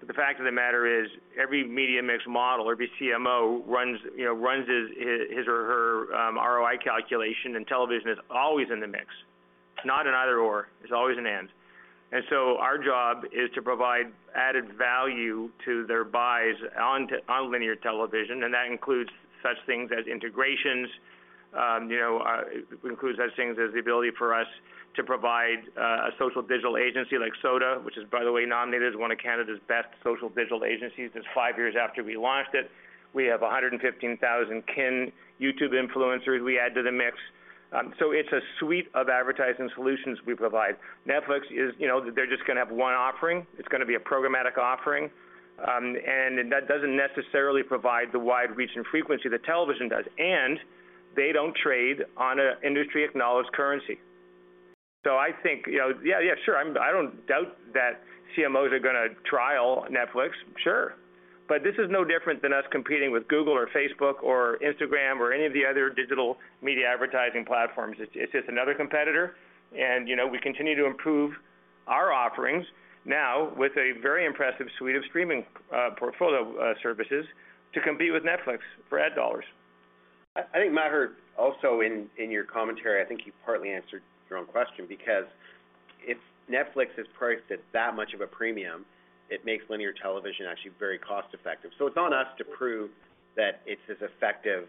But the fact of the matter is every media mix model or every CMO runs you know his or her ROI calculation, and television is always in the mix. It's not an either/or, it's always an and. Our job is to provide added value to their buys on linear television, and that includes such things as integrations, you know, the ability for us to provide a social digital agency like so.da, which is, by the way, nominated as one of Canada's best social digital agencies just five years after we launched it. We have 115,000 kin YouTube influencers we add to the mix. It's a suite of advertising solutions we provide. Netflix is, you know, they're just gonna have one offering. It's gonna be a programmatic offering. That doesn't necessarily provide the wide reach and frequency that television does, and they don't trade on an industry acknowledged currency. I think, you know, yeah, sure. I don't doubt that CMOs are gonna trial Netflix, sure. This is no different than us competing with Google or Facebook or Instagram or any of the other digital media advertising platforms. It's just another competitor. You know, we continue to improve our offerings now with a very impressive suite of streaming portfolio services to compete with Netflix for ad dollars. I think, Maher, also in your commentary, I think you partly answered your own question because if Netflix is priced at that much of a premium, it makes linear television actually very cost effective. It's on us to prove that it's as effective,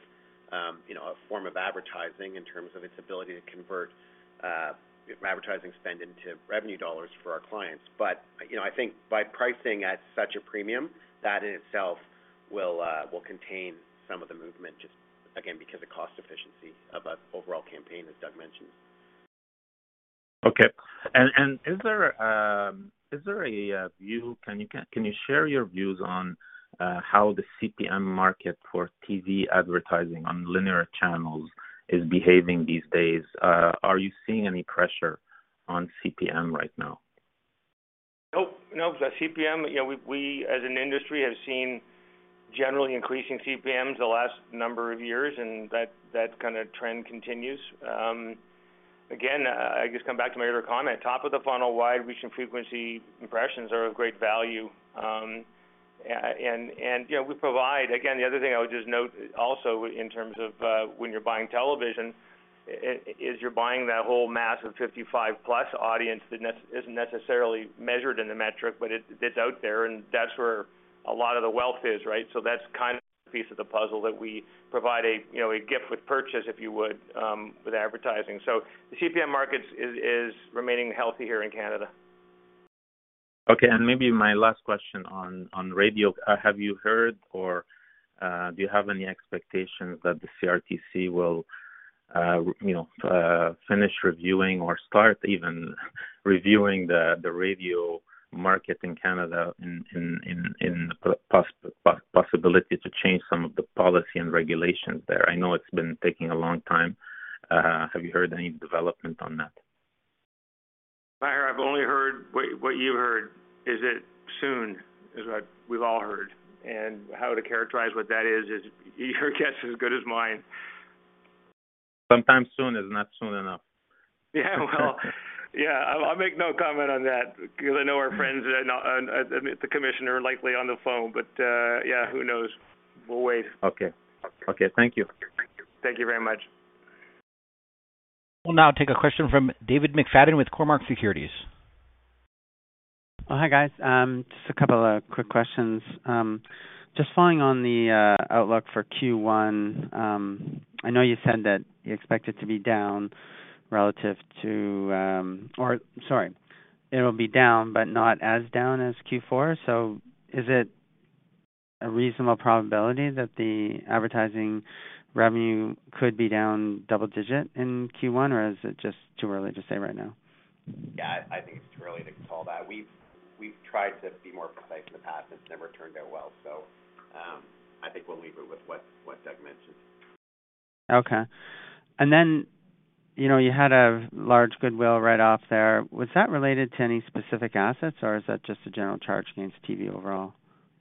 you know, a form of advertising in terms of its ability to convert, advertising spend into revenue dollars for our clients. You know, I think by pricing at such a premium, that in itself will contain some of the movement just, again, because of cost efficiency of an overall campaign, as Doug mentioned. Okay. Is there a view? Can you share your views on how the CPM market for TV advertising on linear channels is behaving these days? Are you seeing any pressure on CPM right now? The CPM, we, as an industry, have seen generally increasing CPMs the last number of years, and that kinda trend continues. Again, I just come back to my other comment. Top of the funnel, wide reach and frequency impressions are of great value. And, and, we provide. Again, the other thing I would just note also in terms of, when you're buying television is you're buying that whole mass of 55+ audience that isn't necessarily measured in the metric, but it's out there, and that's where a lot of the wealth is, right? So that's kind of the piece of the puzzle that we provide a gift with purchase, if you would, with advertising. So the CPM markets is remaining healthy here in Canada. Okay. Maybe my last question on radio. Have you heard or do you have any expectations that the CRTC will, you know, finish reviewing or start even reviewing the radio market in Canada in possibility to change some of the policy and regulations there? I know it's been taking a long time. Have you heard any development on that? Maher, I've only heard what you heard. Is it soon? Is what we've all heard. How to characterize what that is your guess as good as mine. Sometime soon is not soon enough. Yeah, well. Yeah, I'll make no comment on that because I know our friends at the commissioner are likely on the phone. Yeah, who knows? We'll wait. Okay. Thank you. Thank you very much. We'll now take a question from David McFadgen with Cormark Securities. Oh, hi, guys. Just a couple of quick questions. Just following on the outlook for Q1. I know you said that you expect it to be down, but not as down as Q4. Is it a reasonable probability that the advertising revenue could be down double digits in Q1, or is it just too early to say right now? Yeah, I think it's too early to call that. We've tried to be more precise in the past. It's never turned out well. I think we'll leave it with what Doug mentioned. Okay. You know, you had a large goodwill write-off there. Was that related to any specific assets or is that just a general charge against TV overall?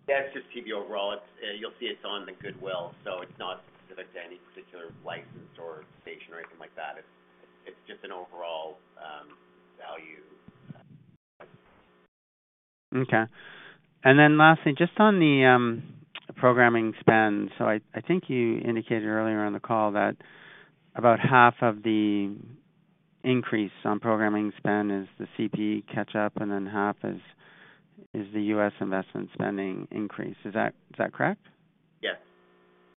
Yeah, it's just TV overall. It's. You'll see it's on the goodwill, so it's not specific to any particular license or station or anything like that. It's just an overall value. Okay. Lastly, just on the programming spend. I think you indicated earlier on the call that about half of the increase on programming spend is the CPE catch up, and then half is the U.S. investment spending increase. Is that correct? Yes. Okay.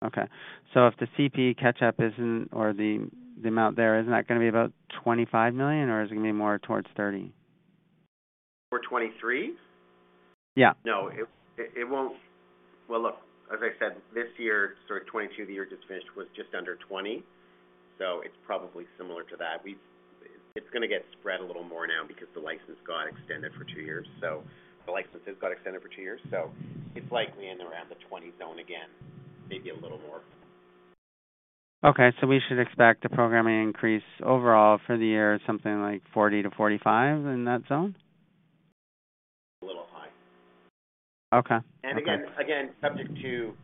If the CPE catch up isn't or the amount there, isn't that gonna be about 25 million or is it gonna be more towards 30 million? For 2023? Yeah. No, it won't. Well, look, as I said, this year, sorry, 2022, the year just finished was just under 20 million, so it's probably similar to that. It's gonna get spread a little more now because the license got extended for two years, so it's likely around the 20 zone again, maybe a little more. Okay. We should expect a programming increase overall for the year, something like 40-45 in that zone? A little high. Okay. Again, subject to, you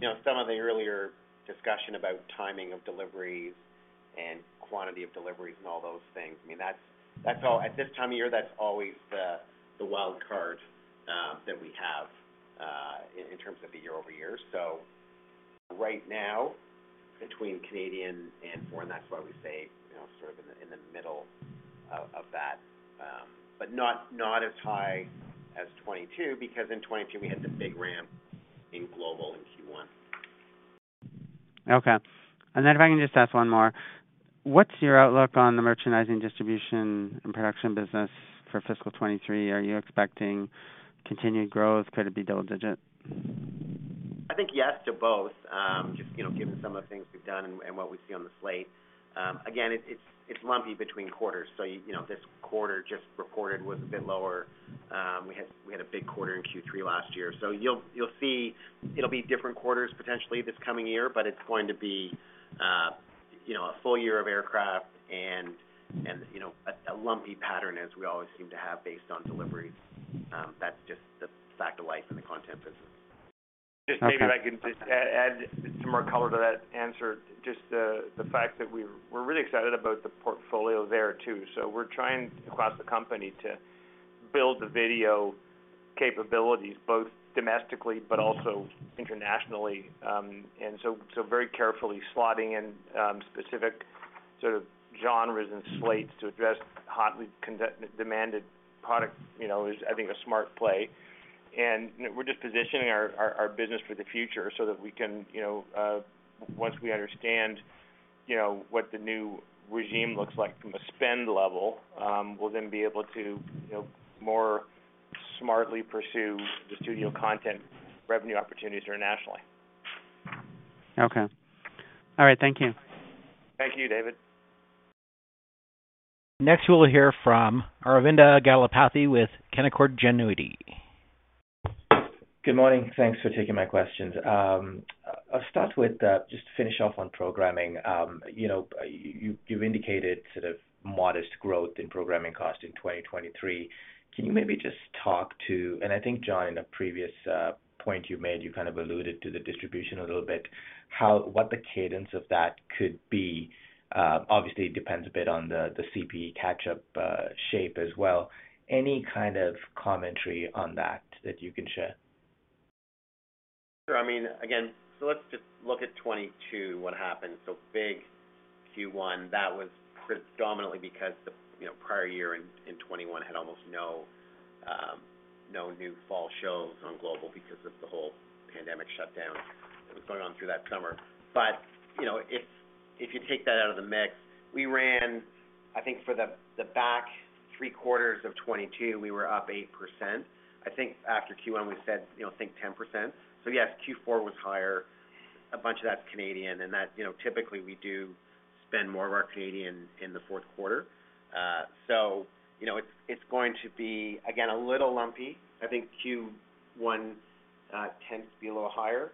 know, some of the earlier discussion about timing of deliveries and quantity of deliveries and all those things. I mean, that's all at this time of year, that's always the wild card that we have in terms of the year-over-year. Right now between Canadian and foreign, that's why we say, you know, sort of in the middle of that. But not as high as 2022 because in 2022 we had the big ramp in Global in Q1. Okay. If I can just ask one more. What's your outlook on the merchandising distribution and production business for fiscal 2023? Are you expecting continued growth? Could it be double digit? I think yes to both. Just, you know, given some of the things we've done and what we see on the slate. Again, it's lumpy between quarters. You know, this quarter just reported was a bit lower. We had a big quarter in Q3 last year. You'll see it'll be different quarters potentially this coming year, but it's going to be, you know, a full year of aircraft and a lumpy pattern as we always seem to have based on deliveries. That's just the fact of life in the content business. Okay. Just maybe if I could just add some more color to that answer. Just the fact that we're really excited about the portfolio there too. We're trying across the company to build the video capabilities both domestically but also internationally. Very carefully slotting in specific sort of genres and slates to address hotly demanded product, you know, is I think a smart play. You know, we're just positioning our business for the future so that we can, you know, once we understand, you know, what the new regime looks like from a spend level, we'll then be able to, you know, more smartly pursue the studio content revenue opportunities internationally. Okay. All right. Thank you. Thank you, David. Next, we'll hear from Aravinda Galappatthige with Canaccord Genuity. Good morning. Thanks for taking my questions. I'll start with just to finish off on programming. You know, you indicated sort of modest growth in programming cost in 2023. Can you maybe just talk to that. I think, John, in a previous point you made, you kind of alluded to the distribution a little bit. What the cadence of that could be. Obviously, it depends a bit on the CPE catch up shape as well. Any kind of commentary on that you can share? Sure. I mean, again, let's just look at 2022, what happened. Big Q1, that was predominantly because the prior year in 2021 had almost no new fall shows on Global because of the whole pandemic shutdown that was going on through that summer. But, you know, if you take that out of the mix, we ran, I think for the back three quarters of 2022, we were up 8%. I think after Q1 we said, you know, think 10%. Yes, Q4 was higher. A bunch of that's Canadian and that, you know, typically we do spend more of our Canadian in the fourth quarter. You know, it's going to be, again, a little lumpy. I think Q1 tends to be a little higher.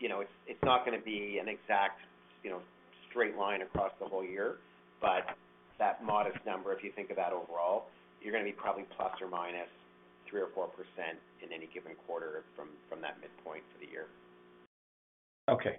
You know, it's not gonna be an exact, you know, straight line across the whole year. That modest number, if you think of that overall, you're gonna be probably ±3% or 4% in any given quarter from that midpoint for the year. Okay.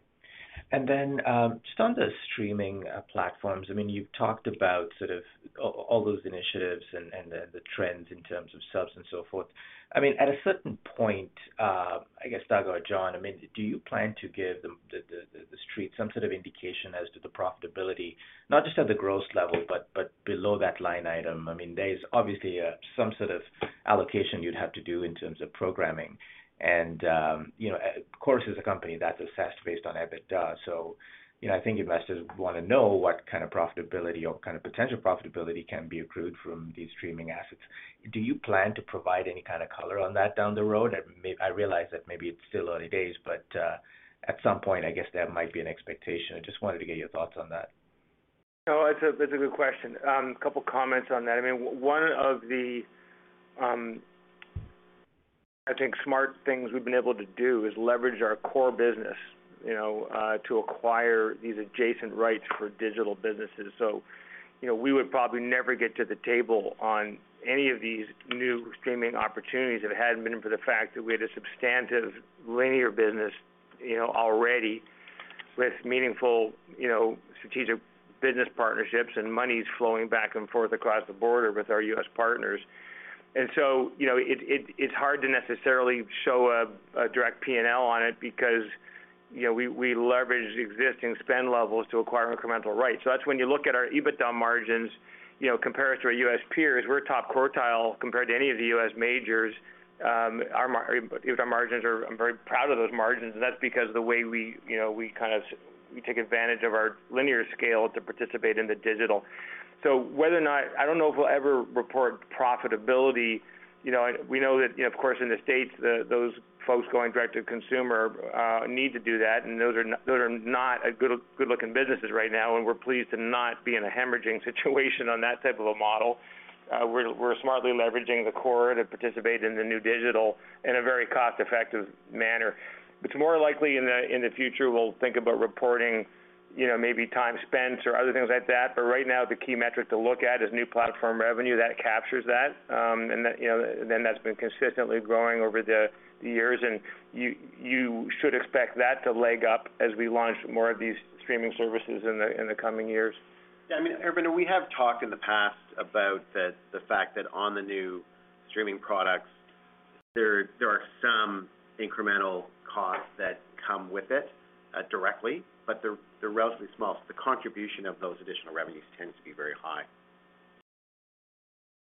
Just on the streaming platforms, I mean, you've talked about sort of all those initiatives and the trends in terms of subs and so forth. I mean, at a certain point, I guess, Doug or John, I mean, do you plan to give the Street some sort of indication as to the profitability, not just at the gross level, but below that line item? I mean, there's obviously some sort of allocation you'd have to do in terms of programming. You know, of course, as a company that's assessed based on EBITDA, so you know, I think investors wanna know what kind of profitability or kind of potential profitability can be accrued from these streaming assets. Do you plan to provide any kind of color on that down the road? I realize that maybe it's still early days, but at some point, I guess that might be an expectation. I just wanted to get your thoughts on that. No, that's a good question. A couple of comments on that. I mean, one of the, I think smart things we've been able to do is leverage our core business, you know, to acquire these adjacent rights for digital businesses. We would probably never get to the table on any of these new streaming opportunities if it hadn't been for the fact that we had a substantive linear business, you know, already with meaningful, you know, strategic business partnerships and monies flowing back and forth across the border with our U.S. partners. It is hard to necessarily show a direct P&L on it because, you know, we leverage the existing spend levels to acquire incremental rights. That's when you look at our EBITDA margins, you know, compare us to our U.S. peers, we're top quartile compared to any of the U.S. majors. EBITDA margins are. I'm very proud of those margins, and that's because the way we, you know, we take advantage of our linear scale to participate in the digital. Whether or not I don't know if we'll ever report profitability. You know, we know that, you know, of course in the States, those folks going direct to consumer need to do that, and those are not good-looking businesses right now, and we're pleased to not be in a hemorrhaging situation on that type of a model. We're smartly leveraging the core to participate in the new digital in a very cost-effective manner. It's more likely in the future we'll think about reporting, you know, maybe time spent or other things like that. Right now, the key metric to look at is new platform revenue that captures that, and that, then that's been consistently growing over the years. You should expect that to leg up as we launch more of these streaming services in the coming years. Yeah. I mean, Aravinda, we have talked in the past about the fact that on the new streaming products there are some incremental costs that come with it directly, but they're relatively small. The contribution of those additional revenues tends to be very high.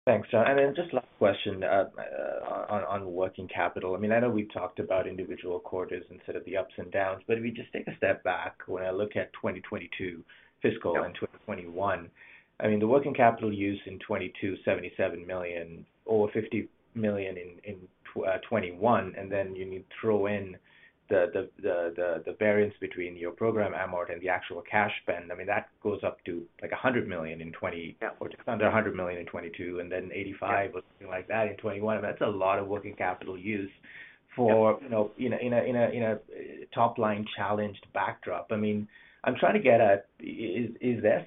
Thanks, John. Just last question on working capital. I mean, I know we've talked about individual quarters instead of the ups and downs, but if we just take a step back, when I look at 2022 fiscal 2021, I mean, the working capital used in 2022, 77 million or 50 million in 2021, and then you need to throw in the variance between your program amort and the actual cash spend. I mean, that goes up to like 100 million in 2020 just under 100 million in 2022, and then 85 or something like that in 2021. That's a lot of working capital use for, you know, in a top line challenged backdrop. I mean, I'm trying to get at, is there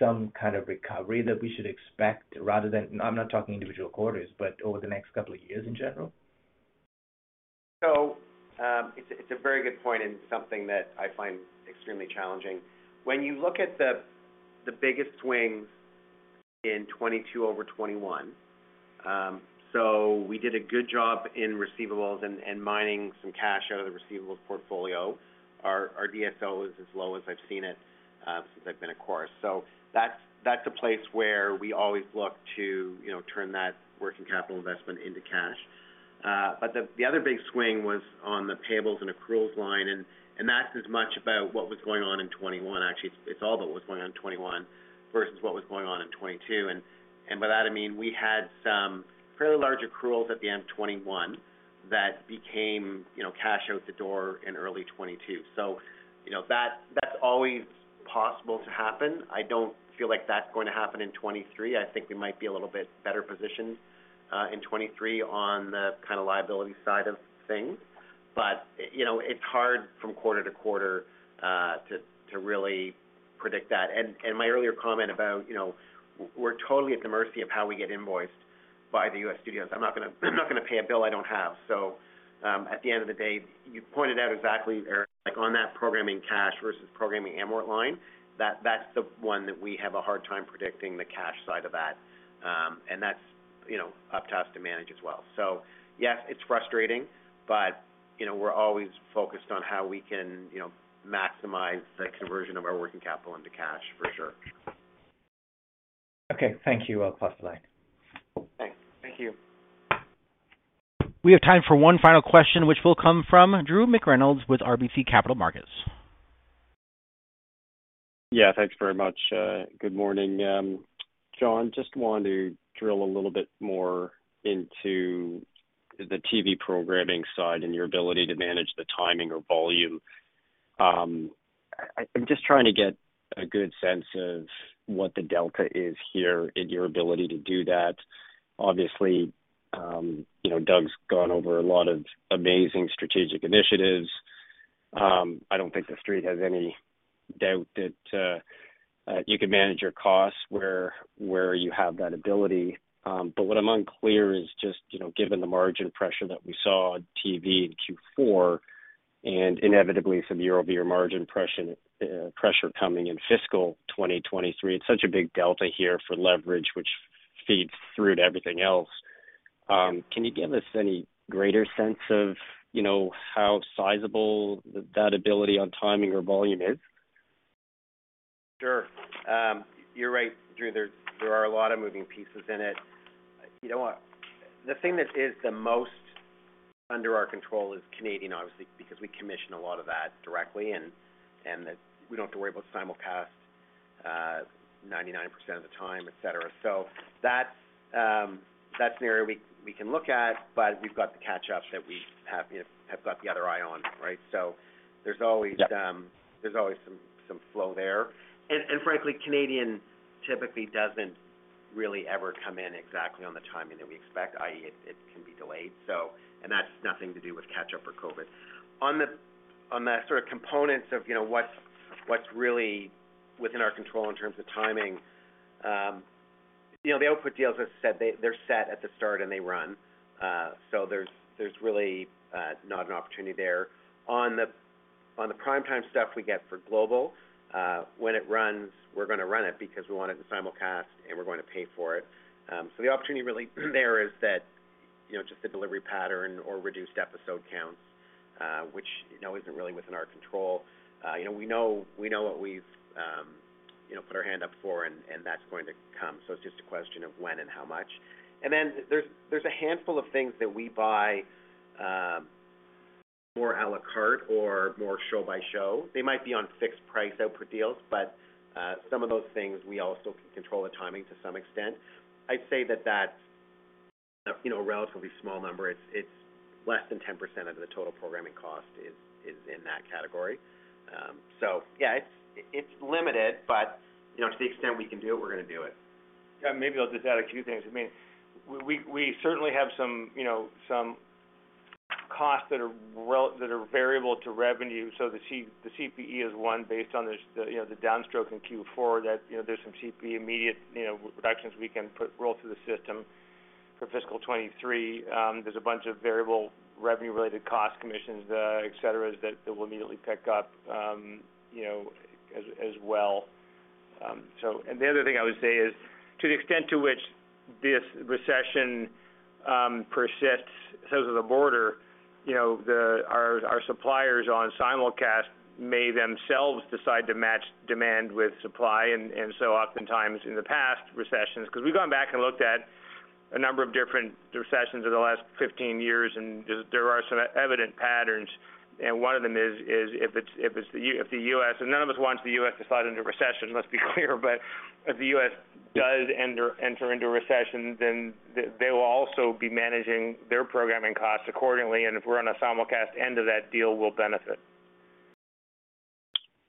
some kind of recovery that we should expect rather than, I'm not talking individual quarters, but over the next couple of years in general? It's a very good point and something that I find extremely challenging. When you look at the biggest swings in 2022 over 2021, we did a good job in receivables and mining some cash out of the receivables portfolio. Our DSO is as low as I've seen it since I've been at Corus. That's a place where we always look to, you know, turn that working capital investment into cash. But the other big swing was on the payables and accruals line, and that's as much about what was going on in 2021. Actually, it's all about what was going on in 2021 versus what was going on in 2022. By that I mean, we had some fairly large accruals at the end of 2021 that became, you know, cash out the door in early 2022. You know, that's always possible to happen. I don't feel like that's going to happen in 2023. I think we might be a little bit better positioned in 2023 on the kinda liability side of things. You know, it's hard from quarter to quarter to really predict that. My earlier comment about, you know, we're totally at the mercy of how we get invoiced by the U.S. studios. I'm not gonna pay a bill I don't have. At the end of the day, you pointed out exactly, Aravinda, like on that programming cash versus programming amort line, that's the one that we have a hard time predicting the cash side of that. That's, you know, up to us to manage as well. Yes, it's frustrating, but, you know, we're always focused on how we can, you know, maximize the conversion of our working capital into cash, for sure. Okay. Thank you. I'll pass the line. Thanks. Thank you. We have time for one final question, which will come from Drew McReynolds with RBC Capital Markets. Thanks very much. Good morning. John, just wanted to drill a little bit more into the TV programming side and your ability to manage the timing or volume. I'm just trying to get a good sense of what the delta is here in your ability to do that. Obviously, you know, Doug's gone over a lot of amazing strategic initiatives. I don't think The Street has any doubt that you can manage your costs where you have that ability. But what I'm unclear is just, you know, given the margin pressure that we saw on TV in Q4, and inevitably some year-over-year margin pressure coming in fiscal 2023, it's such a big delta here for leverage, which feeds through to everything else. Can you give us any greater sense of, you know, how sizable that ability on timing or volume is? Sure. You're right, Drew. There are a lot of moving pieces in it. You know what? The thing that is the most under our control is Canadian, obviously, because we commission a lot of that directly and that we don't have to worry about simulcast 99% of the time, et cetera. That's an area we can look at, but we've got the catch-ups that we have, you know, have got the other eye on, right? There's always some flow there. Frankly, Canadian typically doesn't really ever come in exactly on the timing that we expect, i.e., it can be delayed. That's nothing to do with catch-up or COVID. On the sort of components of, you know, what's really within our control in terms of timing, you know, the output deals, as I said, they're set at the start and they run. There's really not an opportunity there. On the prime time stuff we get for Global, when it runs, we're gonna run it because we want it in simulcast and we're going to pay for it. The opportunity really there is that, you know, just the delivery pattern or reduced episode counts, which, you know, isn't really within our control. You know, we know what we've you know, put our hand up for, and that's going to come. It's just a question of when and how much. There's a handful of things that we buy more a la carte or more show by show. They might be on fixed price output deals, but some of those things we also can control the timing to some extent. I'd say that that's you know a relatively small number. It's less than 10% of the total programming cost is in that category. So yeah, it's limited, but you know to the extent we can do it, we're gonna do it. Yeah, maybe I'll just add a few things. I mean, we certainly have some, you know, some costs that are variable to revenue. The CPE is one based on this, the downstroke in Q4 that there's some CPE immediate reductions we can roll through the system for fiscal 2023. There's a bunch of variable revenue-related costs, commissions, et cetera that will immediately pick up as well. The other thing I would say is, to the extent to which this recession persists south of the border, our suppliers on simulcast may themselves decide to match demand with supply. Oftentimes in the past recessions, cause we've gone back and looked at a number of different recessions over the last 15 years, and there are some evident patterns. One of them is if it's the U.S., and none of us wants the U.S. to slide into recession, let's be clear. If the U.S. does enter into a recession, then they will also be managing their programming costs accordingly. If we're on a simulcast end of that deal, we'll benefit.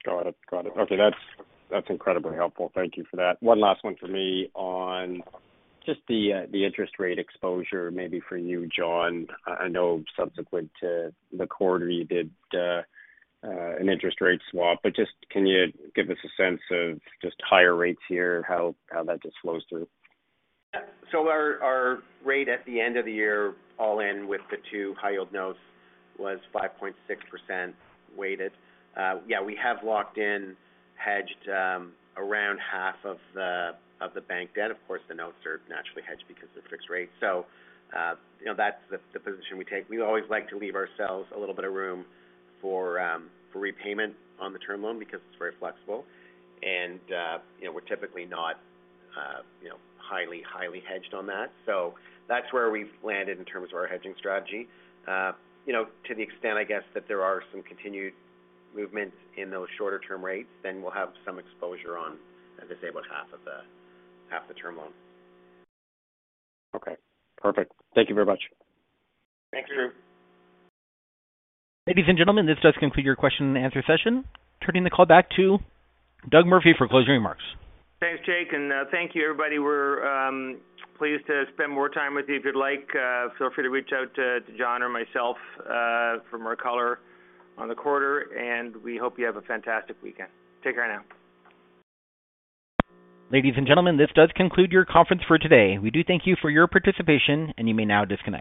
Got it. Okay, that's incredibly helpful. Thank you for that. One last one for me on just the interest rate exposure maybe for you, John. I know subsequent to the quarter you did an interest rate swap, but just can you give us a sense of just higher rates here, how that just flows through? Our rate at the end of the year, all in with the two high yield notes was 5.6% weighted. We have locked in hedged around half of the bank debt. Of course, the notes are naturally hedged because of fixed rate. You know, that's the position we take. We always like to leave ourselves a little bit of room for repayment on the term loan because it's very flexible. You know, we're typically not highly hedged on that. That's where we've landed in terms of our hedging strategy. You know, to the extent I guess that there are some continued movements in those shorter term rates, then we'll have some exposure on, I'd say about half of the term loan. Okay, perfect. Thank you very much. Thank you. Ladies and gentlemen, this does conclude your question and answer session. Turning the call back to Doug Murphy for closing remarks. Thanks, Jake, and thank you, everybody. We're pleased to spend more time with you if you'd like. Feel free to reach out to John or myself for more color on the quarter, and we hope you have a fantastic weekend. Take care now. Ladies and gentlemen, this does conclude your conference for today. We do thank you for your participation, and you may now disconnect.